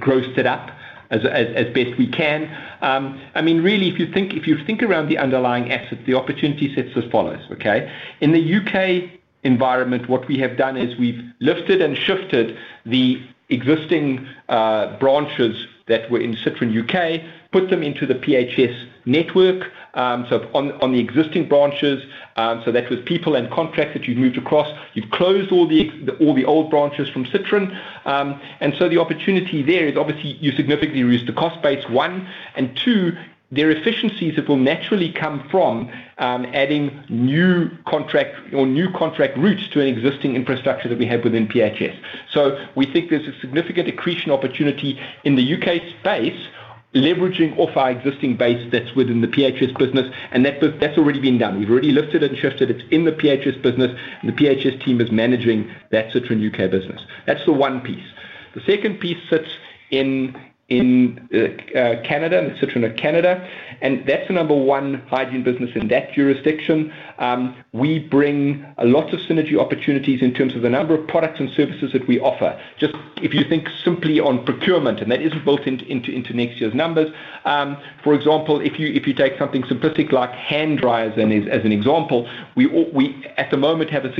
D: grossed it up as best we can. I mean, really, if you think around the underlying asset, the opportunity sets as follows, okay? In the U.K. environment, what we have done is we've lifted and shifted the existing branches that were in Citron U.K., put them into the PHS network. So on the existing branches, so that was people and contracts that you've moved across. You've closed all the old branches from Citron. And so the opportunity there is obviously you significantly reduce the cost base, one. And two, there are efficiencies that will naturally come from adding new contract or new contract routes to an existing infrastructure that we have within PHS. So we think there's a significant accretion opportunity in the U.K. space, leveraging off our existing base that's within the PHS business, and that's already been done. We've already lifted and shifted. It's in the PHS business. The PHS team is managing that Citron Hygiene U.K. business. That's the one piece. The second piece sits in Canada, in Citron Hygiene Canada, and that's the number one hygiene business in that jurisdiction. We bring a lot of synergy opportunities in terms of the number of products and services that we offer. Just if you think simply on procurement, and that isn't built into next year's numbers. For example, if you take something simplistic like hand dryers as an example, We at the moment have a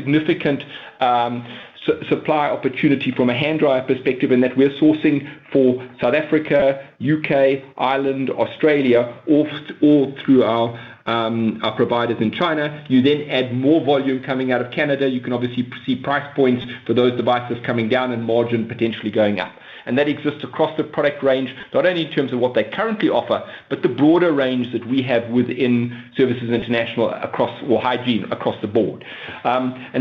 D: significant supply opportunity from a hand dryer perspective in that we're sourcing for South Africa, U.K., Ireland, Australia, all through our providers in China. You then add more volume coming out of Canada. You can obviously see price points for those devices coming down in margin, potentially going up. That exists across the product range, not only in terms of what they currently offer, but the broader range that we have within Services International or Hygiene across the board.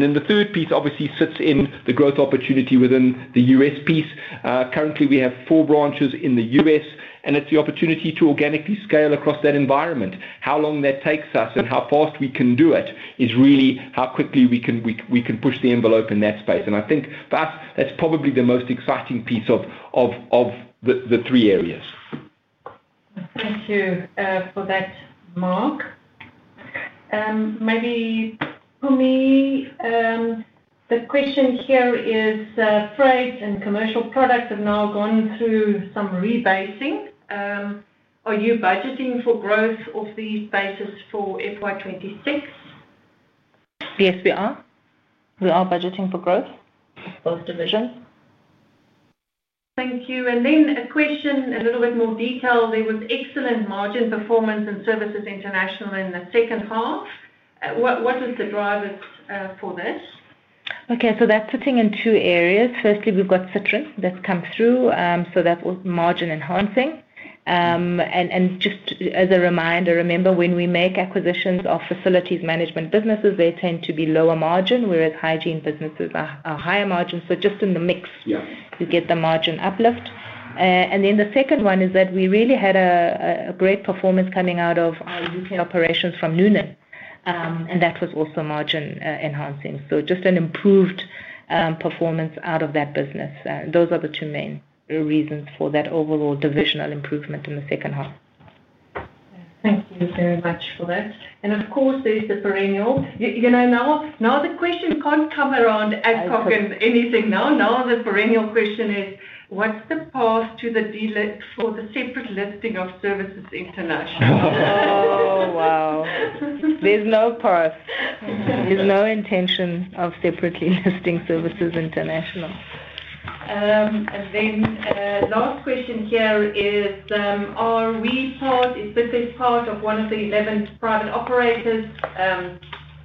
D: Then the third piece obviously sits in the growth opportunity within the U.S. piece. Currently, we have four branches in the U.S., and it is the opportunity to organically scale across that environment. How long that takes us and how fast we can do it is really how quickly we can push the envelope in that space. I think for us, that is probably the most exciting piece of the three areas.
B: Thank you for that, Mark. Maybe Mpumi, the question here is Freight and Commercial Products have now gone through some rebasing. Are you budgeting for growth of these bases for FY 2026?
C: Yes, we are. We are budgeting for growth. Both divisions.
B: Thank you. And then a question, a little bit more detail. There was excellent margin performance in Services International in the second half. What is the drivers for this?
C: Okay. So that's sitting in two areas. Firstly, we've got Citron that's come through. So that was margin enhancing. And just as a reminder, remember when we make acquisitions of facilities management businesses, they tend to be lower margin, whereas hygiene businesses are higher margin. So just in the mix, you get the margin uplift. And then the second one is that we really had a great performance coming out of our U.K. operations from Noonan, and that was also margin enhancing. So just an improved performance out of that business. Those are the two main reasons for that overall divisional improvement in the second half.
B: Thank you very much for that. And of course, there's the perennial. Now the question can't come around at Adcock Ingram anything now. Now the perennial question is, what's the path to the separate listing of Services International?
C: Oh, wow. There's no path. There's no intention of separately listing Services International.
B: And then last question here is, are we part, is this part of one of the 11 private operators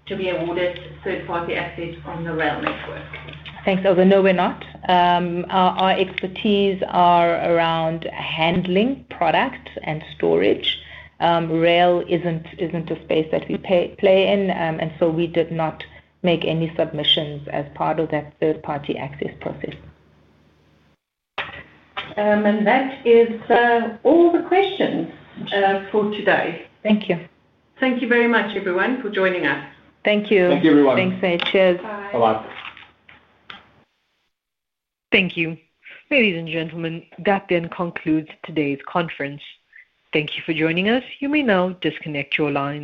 B: to be awarded third-party assets on the rail network?
C: Thanks. Oh, no, we're not. Our expertise is around handling product and storage. Rail isn't a space that we play in, and so we did not make any submissions as part of that third-party access process.
B: And that is all the questions for today. Thank you.
C: Thank you very much, everyone, for joining us.
B: Thank you.
D: Thank you, everyone.
C: Thanks. Cheers.
B: Bye.
D: Bye-bye.
A: Thank you. Ladies and gentlemen, that then concludes today's conference. Thank you for joining us. You may now disconnect your lines.